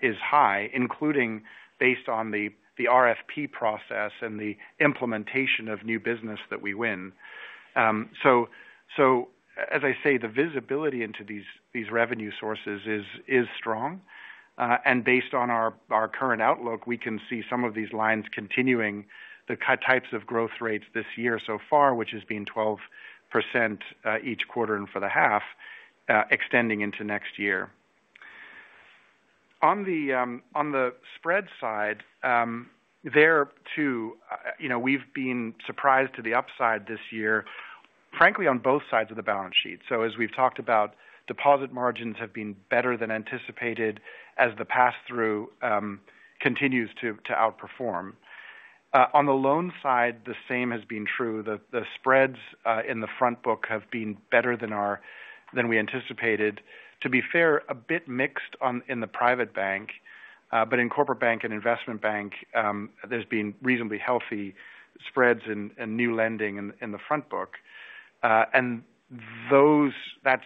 is high, including based on the, the RFP process and the implementation of new business that we win. So, so as I say, the visibility into these, these revenue sources is, is strong, and based on our, our current outlook, we can see some of these lines continuing the types of growth rates this year so far, which has been 12%, each quarter and for the half, extending into next year. On the spread side, there too, you know, we've been surprised to the upside this year, frankly, on both sides of the balance sheet. So as we've talked about, deposit margins have been better than anticipated as the pass-through continues to outperform. On the loan side, the same has been true. The spreads in the front book have been better than we anticipated. To be fair, a bit mixed in the Private Bank, but in Corporate Bank and Investment Bank, there's been reasonably healthy spreads and new lending in the front book. And that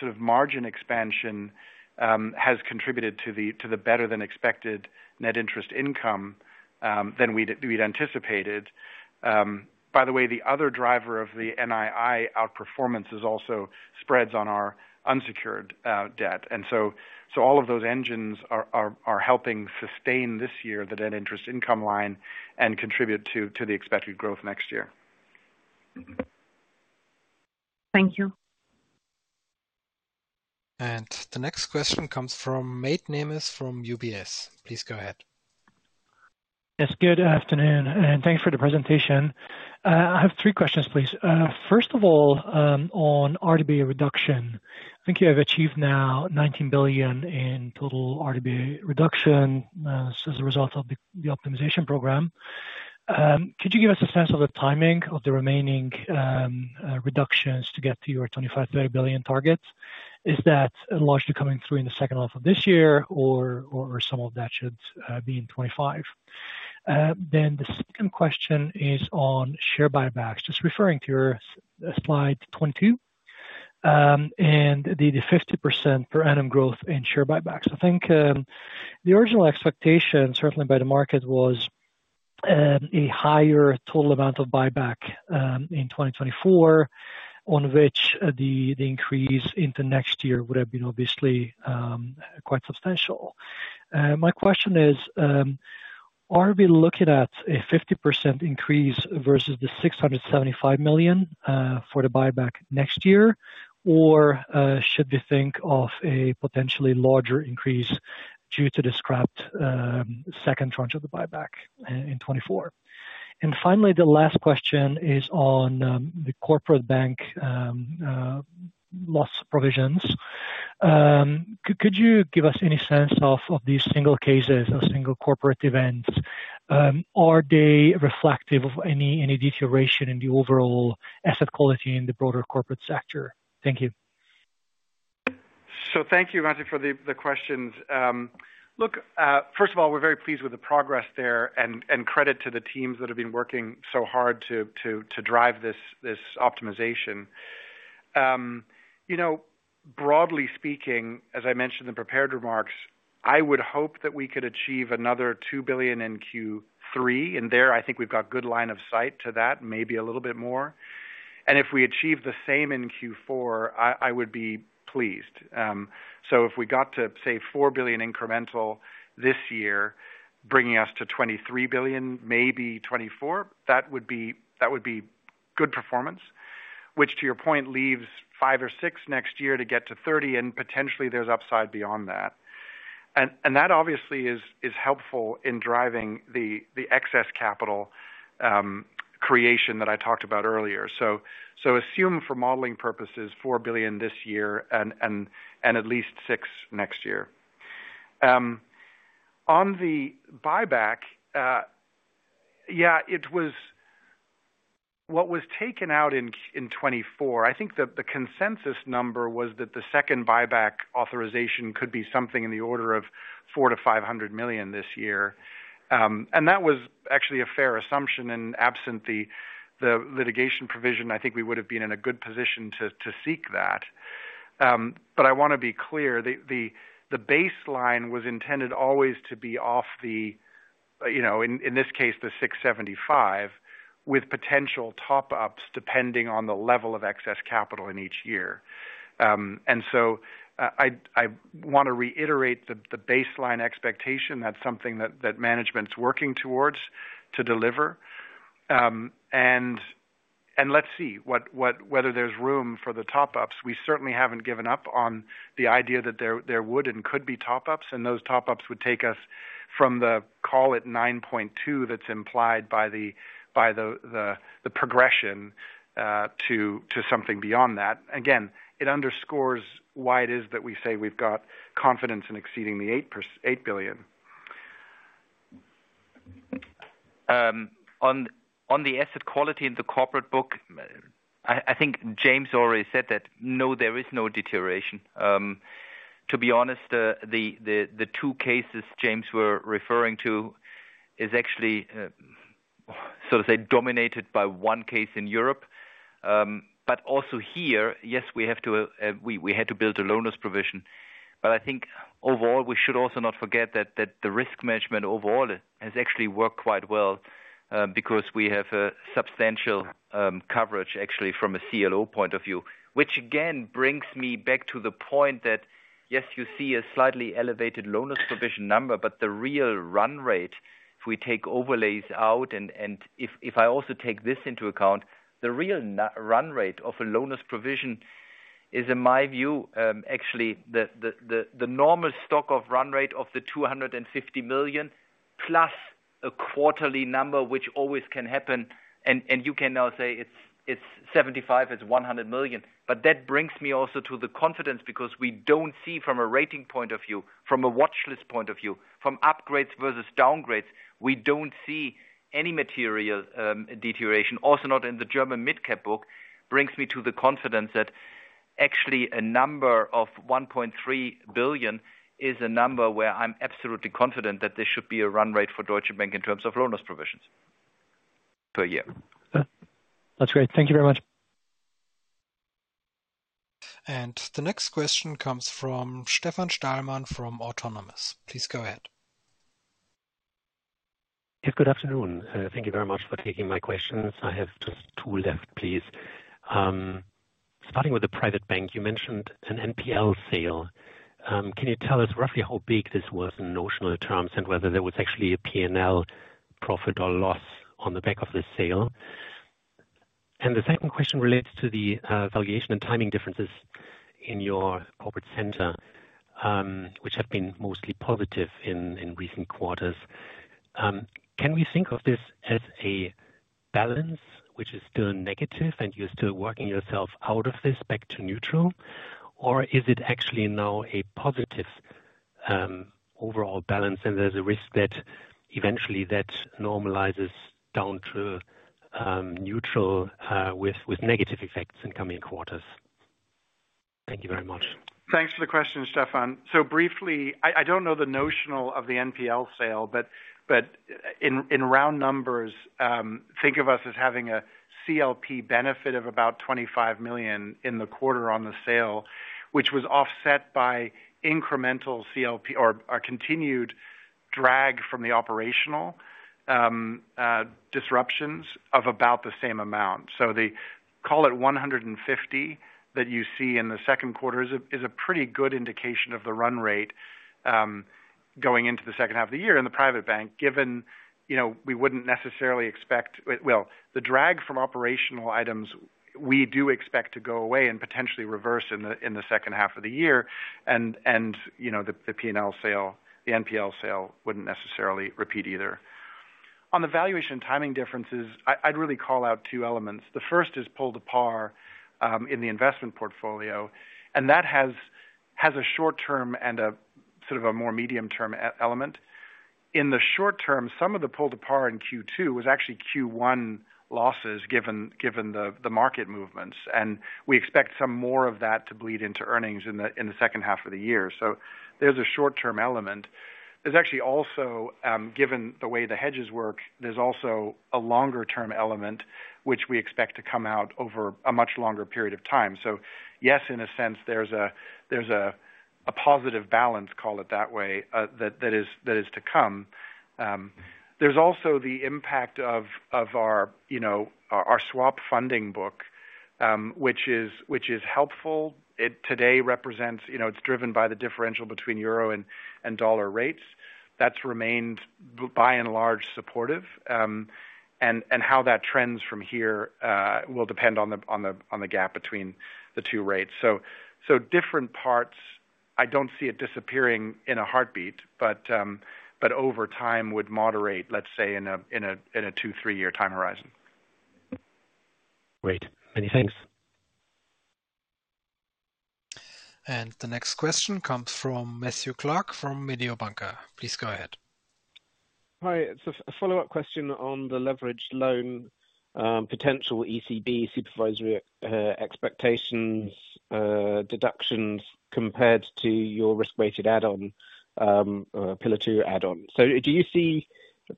sort of margin expansion has contributed to the better than expected net interest income than we'd anticipated. By the way, the other driver of the NII outperformance is also spreads on our unsecured debt. So all of those engines are helping sustain this year, the net interest income line, and contribute to the expected growth next year. Thank you. The next question comes from Mate Nemes, from UBS. Please go ahead. Yes, good afternoon, and thanks for the presentation. I have three questions, please. First of all, on RWA reduction. I think you have achieved now 19 billion in total RWA reduction, as a result of the optimization program. Could you give us a sense of the timing of the remaining reductions to get to your 25-30 billion targets? Is that largely coming through in the second half of this year, or some of that should be in 2025? Then the second question is on share buybacks. Just referring to your slide 22, and the 50% per annum growth in share buybacks. I think, the original expectation, certainly by the market, was, a higher total amount of buyback, in 2024, on which the, the increase into next year would have been obviously, quite substantial. My question is, are we looking at a 50% increase versus the 675 million, for the buyback next year? Or, should we think of a potentially larger increase due to the scrapped, second tranche of the buyback, in 2024? And finally, the last question is on, the Corporate Bank, loss provisions. Could you give us any sense of, these single cases or single corporate events? Are they reflective of any, deterioration in the overall asset quality in the broader corporate sector? Thank you. So thank you, Mate, for the questions. Look, first of all, we're very pleased with the progress there and credit to the teams that have been working so hard to drive this optimization. You know, broadly speaking, as I mentioned in the prepared remarks, I would hope that we could achieve another 2 billion in Q3, and there, I think we've got good line of sight to that, maybe a little bit more. And if we achieve the same in Q4, I would be pleased. So if we got to, say, 4 billion incremental this year, bringing us to 23 billion, maybe 24 billion, that would be good performance. Which, to your point, leaves 5 or 6 next year to get to 30, and potentially there's upside beyond that. That obviously is helpful in driving the excess capital creation that I talked about earlier. So assume for modeling purposes, 4 billion this year and at least 6 billion next year. On the buyback, yeah, it was what was taken out in 2024. I think the consensus number was that the second buyback authorization could be something in the order of 400 million-500 million this year. And that was actually a fair assumption, and absent the litigation provision, I think we would have been in a good position to seek that. But I want to be clear, the baseline was intended always to be off the, you know, in this case, 675 million, with potential top-ups, depending on the level of excess capital in each year. I want to reiterate the baseline expectation. That's something that management's working towards to deliver. And let's see whether there's room for the top-ups. We certainly haven't given up on the idea that there would and could be top-ups, and those top-ups would take us from the call at 9.2, that's implied by the progression, to something beyond that. Again, it underscores why it is that we say we've got confidence in exceeding the 8 billion. On the asset quality in the corporate book, I think James already said that, no, there is no deterioration. To be honest, the two cases James were referring to is actually, so to say, dominated by one case in Europe. But also here, yes, we had to build a loan loss provision. But I think overall, we should also not forget that the risk management overall has actually worked quite well, because we have a substantial coverage actually from a CLP point of view. Which again brings me back to the point that, yes, you see a slightly elevated loan loss provision number, but the real run rate, if we take overlays out and if I also take this into account, the real run rate of a loan loss provision is, in my view, actually the normal run rate of 250 million, plus a quarterly number, which always can happen. And you can now say it's 75, it's 100 million. But that brings me also to the confidence, because we don't see from a rating point of view, from a watchlist point of view, from upgrades versus downgrades, we don't see any material deterioration. Also, not in the German midcap book, brings me to the confidence that-... Actually, a number of 1.3 billion is a number where I'm absolutely confident that there should be a run rate for Deutsche Bank in terms of loan loss provisions per year. That's great. Thank you very much. The next question comes from Stefan Stalmann from Autonomous Research. Please go ahead. Yes, good afternoon. Thank you very much for taking my questions. I have just two left, please. Starting with the Private Bank, you mentioned an NPL sale. Can you tell us roughly how big this was in notional terms, and whether there was actually a PNL profit or loss on the back of this sale? And the second question relates to the valuation and timing differences in your Corporate Center, which have been mostly positive in recent quarters. Can we think of this as a balance which is still negative, and you're still working yourself out of this back to neutral? Or is it actually now a positive overall balance, and there's a risk that eventually that normalizes down to neutral with negative effects in coming quarters? Thank you very much. Thanks for the question, Stefan. So briefly, I don't know the notional of the NPL sale, but in round numbers, think of us as having a CLP benefit of about 25 million in the quarter on the sale, which was offset by incremental CLP or a continued drag from the operational disruptions of about the same amount. So call it 150 million, that you see in the second quarter is a pretty good indication of the run rate going into the second half of the year in the Private Bank, given, you know, we wouldn't necessarily expect well, the drag from operational items we do expect to go away and potentially reverse in the second half of the year. And you know, the PNL sale, the NPL sale wouldn't necessarily repeat either. On the valuation timing differences, I'd really call out two elements. The first is pull to par in the investment portfolio, and that has a short-term and a sort of a more medium-term element. In the short term, some of the pull to par in Q2 was actually Q1 losses, given the market movements, and we expect some more of that to bleed into earnings in the second half of the year. So there's a short-term element. There's actually also, given the way the hedges work, there's also a longer-term element, which we expect to come out over a much longer period of time. So yes, in a sense, there's a positive balance, call it that way, that is to come. There's also the impact of, you know, our swap funding book, which is helpful. It today represents, you know, it's driven by the differential between euro and dollar rates. That's remained, by and large, supportive. And how that trends from here will depend on the gap between the two rates. So different parts, I don't see it disappearing in a heartbeat, but over time would moderate, let's say, in a 2-3-year time horizon. Great. Many thanks. The next question comes from Matthew Clark, from Mediobanca. Please go ahead. Hi, it's a follow-up question on the leveraged loan potential ECB supervisory expectations deductions compared to your risk-weighted add-on, Pillar 2 add-on. So do you see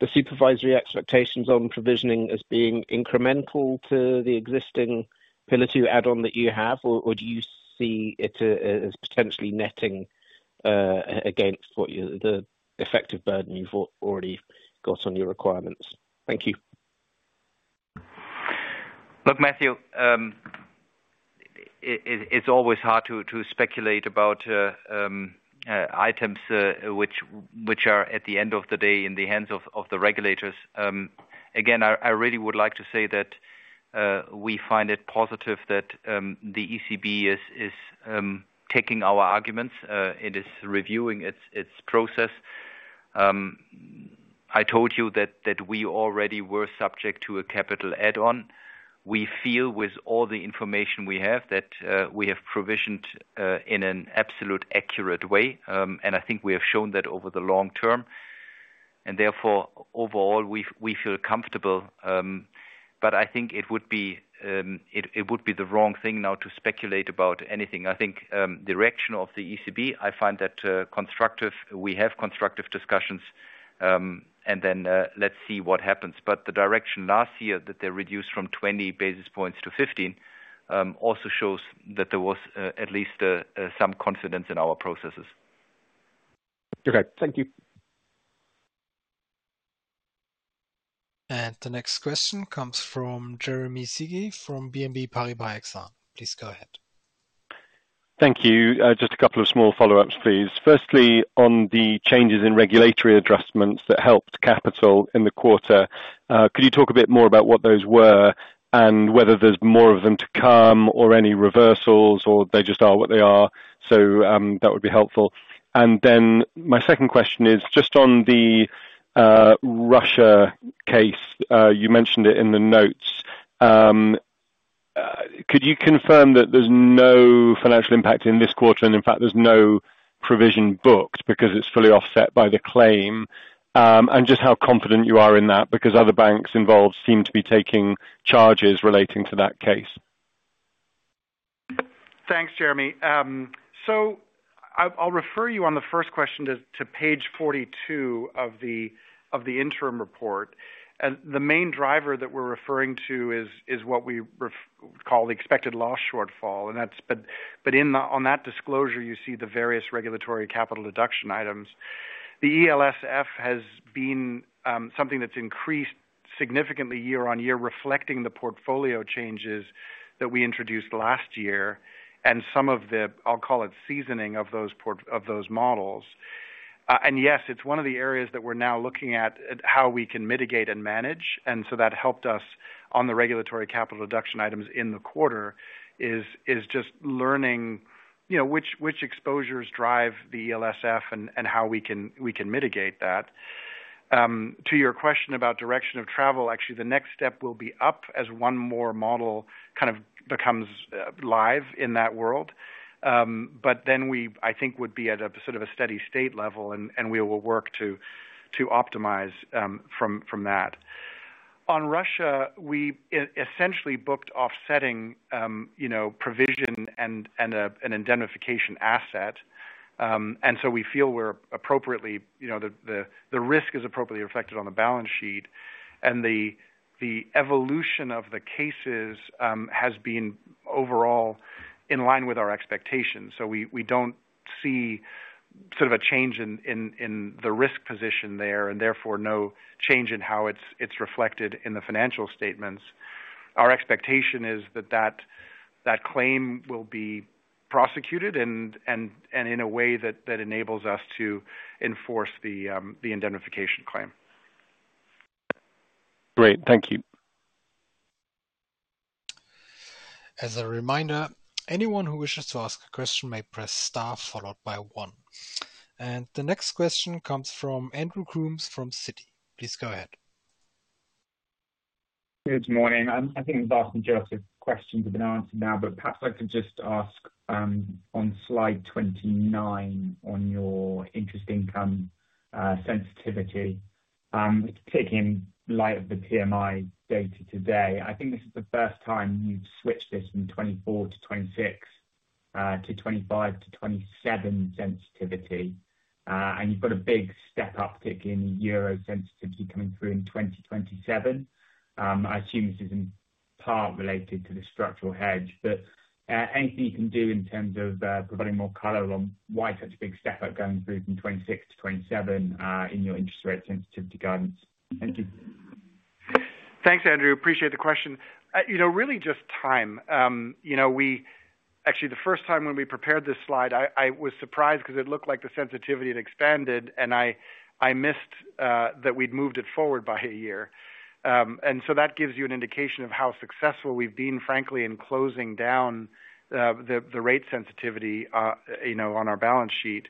the supervisory expectations on provisioning as being incremental to the existing Pillar 2 add-on that you have, or do you see it as potentially netting against what you... The effective burden you've already got on your requirements? Thank you. Look, Matthew, it's always hard to speculate about items which are, at the end of the day, in the hands of the regulators. Again, I really would like to say that we find it positive that the ECB is taking our arguments. It is reviewing its process. I told you that we already were subject to a capital add-on. We feel with all the information we have, that we have provisioned in an absolute accurate way. And I think we have shown that over the long term, and therefore, overall, we feel comfortable. But I think it would be the wrong thing now to speculate about anything. I think direction of the ECB, I find that constructive. We have constructive discussions, and then, let's see what happens. But the direction last year, that they reduced from 20 basis points to 15, also shows that there was, at least, some confidence in our processes. Okay, thank you. The next question comes from Jeremy Sigee from BNP Paribas Exane. Please go ahead. Thank you. Just a couple of small follow-ups, please. Firstly, on the changes in regulatory adjustments that helped capital in the quarter, could you talk a bit more about what those were and whether there's more of them to come, or any reversals, or they just are what they are? So, that would be helpful. And then my second question is, just on the Russia case, you mentioned it in the notes. Could you confirm that there's no financial impact in this quarter, and in fact, there's no provision booked because it's fully offset by the claim, and just how confident you are in that, because other banks involved seem to be taking charges relating to that case. Thanks, Jeremy. So I’ll refer you on the first question to page 42 of the interim report. And the main driver that we’re referring to is what we call the expected loss shortfall. And that’s, but in that disclosure, you see the various regulatory capital deduction items. The ELSF has been something that’s increased significantly year-on-year, reflecting the portfolio changes that we introduced last year, and some of the, I’ll call it, seasoning of those models. And yes, it’s one of the areas that we’re now looking at how we can mitigate and manage. And so that helped us on the regulatory capital deduction items in the quarter. It is just learning, you know, which exposures drive the ELSF and how we can mitigate that. To your question about direction of travel, actually, the next step will be up, as one more model kind of becomes live in that world. But then we, I think, would be at a sort of a steady state level, and we will work to optimize from that. On Russia, we essentially booked offsetting, you know, provision and an indemnification asset. And so we feel we're appropriately, you know, the risk is appropriately reflected on the balance sheet. And the evolution of the cases has been overall in line with our expectations. So we don't see sort of a change in the risk position there, and therefore no change in how it's reflected in the financial statements. Our expectation is that claim will be prosecuted and in a way that enables us to enforce the indemnification claim. Great, thank you. As a reminder, anyone who wishes to ask a question may press star followed by one. The next question comes from Andrew Coombs from Citi. Please go ahead. Good morning. I think the vast majority of questions have been answered now, but perhaps I could just ask, on slide 29, on your interest income sensitivity. It's in light of the PMI data today. I think this is the first time you've switched this from 2024 to 2026, to 2025 to 2027 sensitivity. And you've got a big step up, particularly in the euro sensitivity coming through in 2027. I assume this is in part related to the structural hedge, but, anything you can do in terms of, providing more color on why such a big step up going through from 2026 to 2027, in your interest rate sensitivity guidance? Thank you. Thanks, Andrew. Appreciate the question. You know, really just time. You know, actually, the first time when we prepared this slide, I was surprised because it looked like the sensitivity had expanded, and I missed that we'd moved it forward by a year. And so that gives you an indication of how successful we've been, frankly, in closing down the rate sensitivity, you know, on our balance sheet.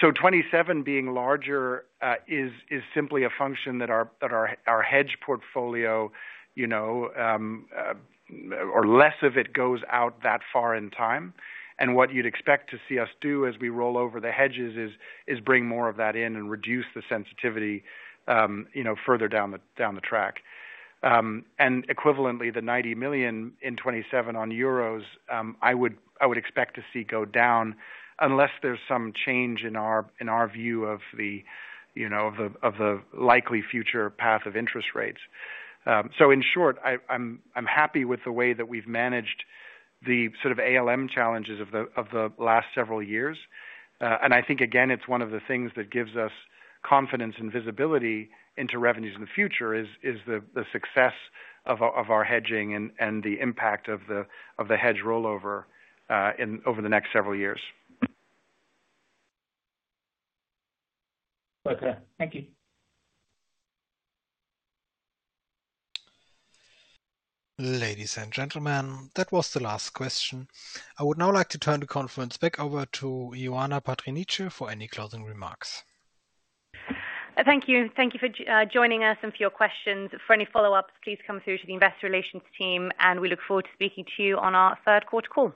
So 27 being larger is simply a function that our hedge portfolio, you know, or less of it goes out that far in time. And what you'd expect to see us do as we roll over the hedges is bring more of that in and reduce the sensitivity, you know, further down the track. And equivalently, the 90 million in 2027 in euros, I would expect to see go down unless there's some change in our view of the, you know, of the likely future path of interest rates. So in short, I'm happy with the way that we've managed the sort of ALM challenges of the last several years. And I think, again, it's one of the things that gives us confidence and visibility into revenues in the future, the success of our hedging and the impact of the hedge rollover in over the next several years. Okay, thank you. Ladies and gentlemen, that was the last question. I would now like to turn the conference back over to Ioana Patriniche for any closing remarks. Thank you. Thank you for joining us and for your questions. For any follow-ups, please come through to the investor relations team, and we look forward to speaking to you on our third quarter call.